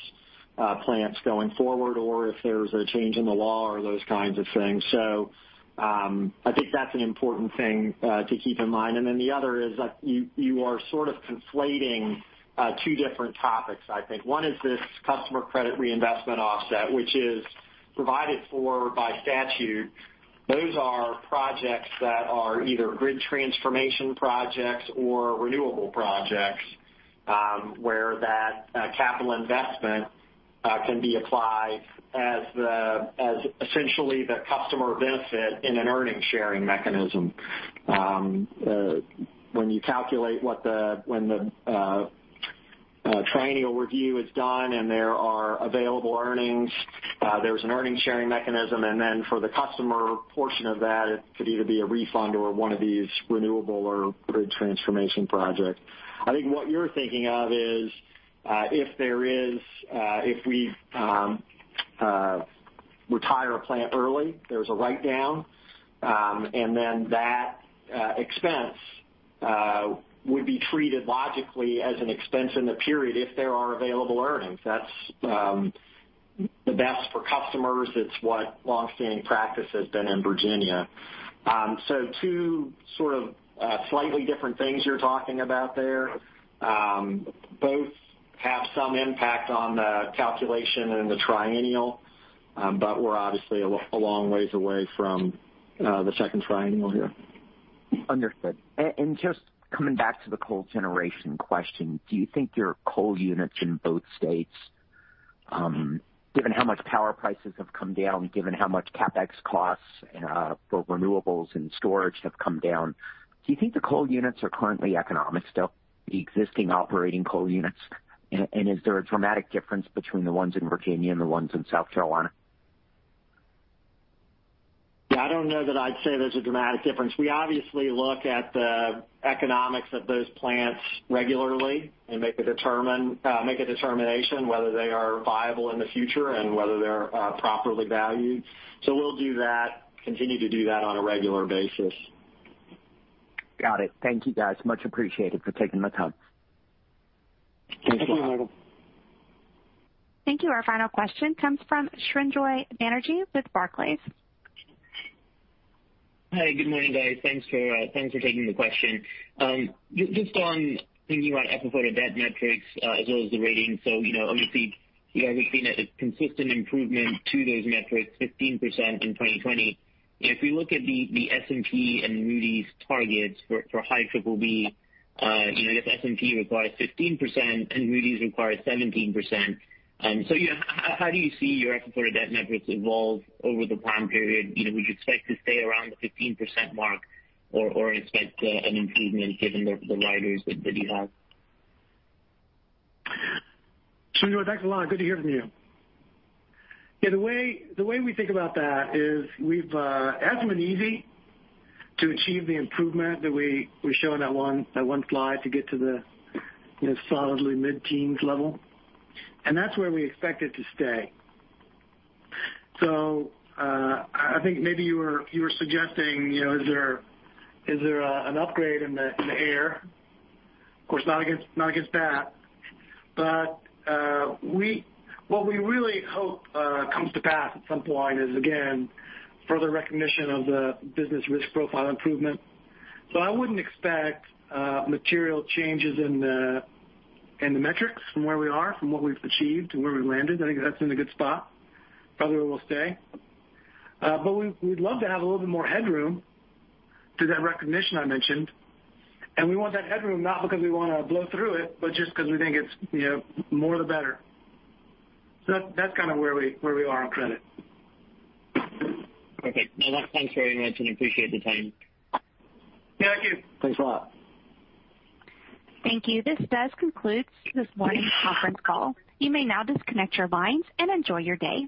plants going forward or if there's a change in the law or those kinds of things. I think that's an important thing to keep in mind. The other is that you are sort of conflating two different topics, I think. One is this customer credit reinvestment offset, which is provided for by statute. Those are projects that are either Grid Transformation projects or renewable projects, where that capital investment can be applied as essentially the customer benefit in an earning sharing mechanism. When you calculate when the triennial review is done and there are available earnings, there is an earning sharing mechanism, and then for the customer portion of that, it could either be a refund or one of these renewable or grid transformation projects. I think what you're thinking of is, if we retire a plant early, there's a write-down, and then that expense would be treated logically as an expense in the period if there are available earnings. That's the best for customers. It's what longstanding practice has been in Virginia. Two sort of slightly different things you're talking about there. Both have some impact on the calculation in the triennial, but we're obviously a long ways away from the second triennial here. Understood. Just coming back to the coal generation question, do you think your coal units in both states, given how much power prices have come down, given how much CapEx costs for renewables and storage have come down, do you think the coal units are currently economic still, the existing operating coal units? Is there a dramatic difference between the ones in Virginia and the ones in South Carolina? Yeah, I don't know that I'd say there's a dramatic difference. We obviously look at the economics of those plants regularly and make a determination whether they are viable in the future and whether they're properly valued. We'll do that, continue to do that on a regular basis. Got it. Thank you, guys. Much appreciated for taking the time. Thank you, Michael. Thank you. Our final question comes from Srinjoy Banerjee with Barclays. Hi. Good morning, guys. Thanks for taking the question. Just on thinking about FFO-to-debt metrics as well as the ratings. Obviously, we've seen a consistent improvement to those metrics, 15% in 2020. If we look at the S&P and Moody's targets for high BBB, I guess S&P requires 15% and Moody's requires 17%. How do you see your FFO-to-debt metrics evolve over the time period? Would you expect to stay around the 15% mark or expect an improvement given the levers that you have? Srinjoy, thanks a lot. Good to hear from you. The way we think about that is it hasn't been easy to achieve the improvement that we show in that one slide to get to the solidly mid-teens level. That's where we expect it to stay. I think maybe you were suggesting, is there an upgrade in the air? Of course, not against that. What we really hope comes to pass at some point is, again, further recognition of the business risk profile improvement. I wouldn't expect material changes in the metrics from where we are, from what we've achieved to where we've landed. I think that's in a good spot, probably where we'll stay. We'd love to have a little bit more headroom to that recognition I mentioned, and we want that headroom not because we want to blow through it, but just because we think it's more the better. That's kind of where we are on credit. Perfect. No, thanks very much, and appreciate the time. Yeah, thank you. Thanks a lot. Thank you. This does conclude this morning's conference call. You may now disconnect your lines and enjoy your day.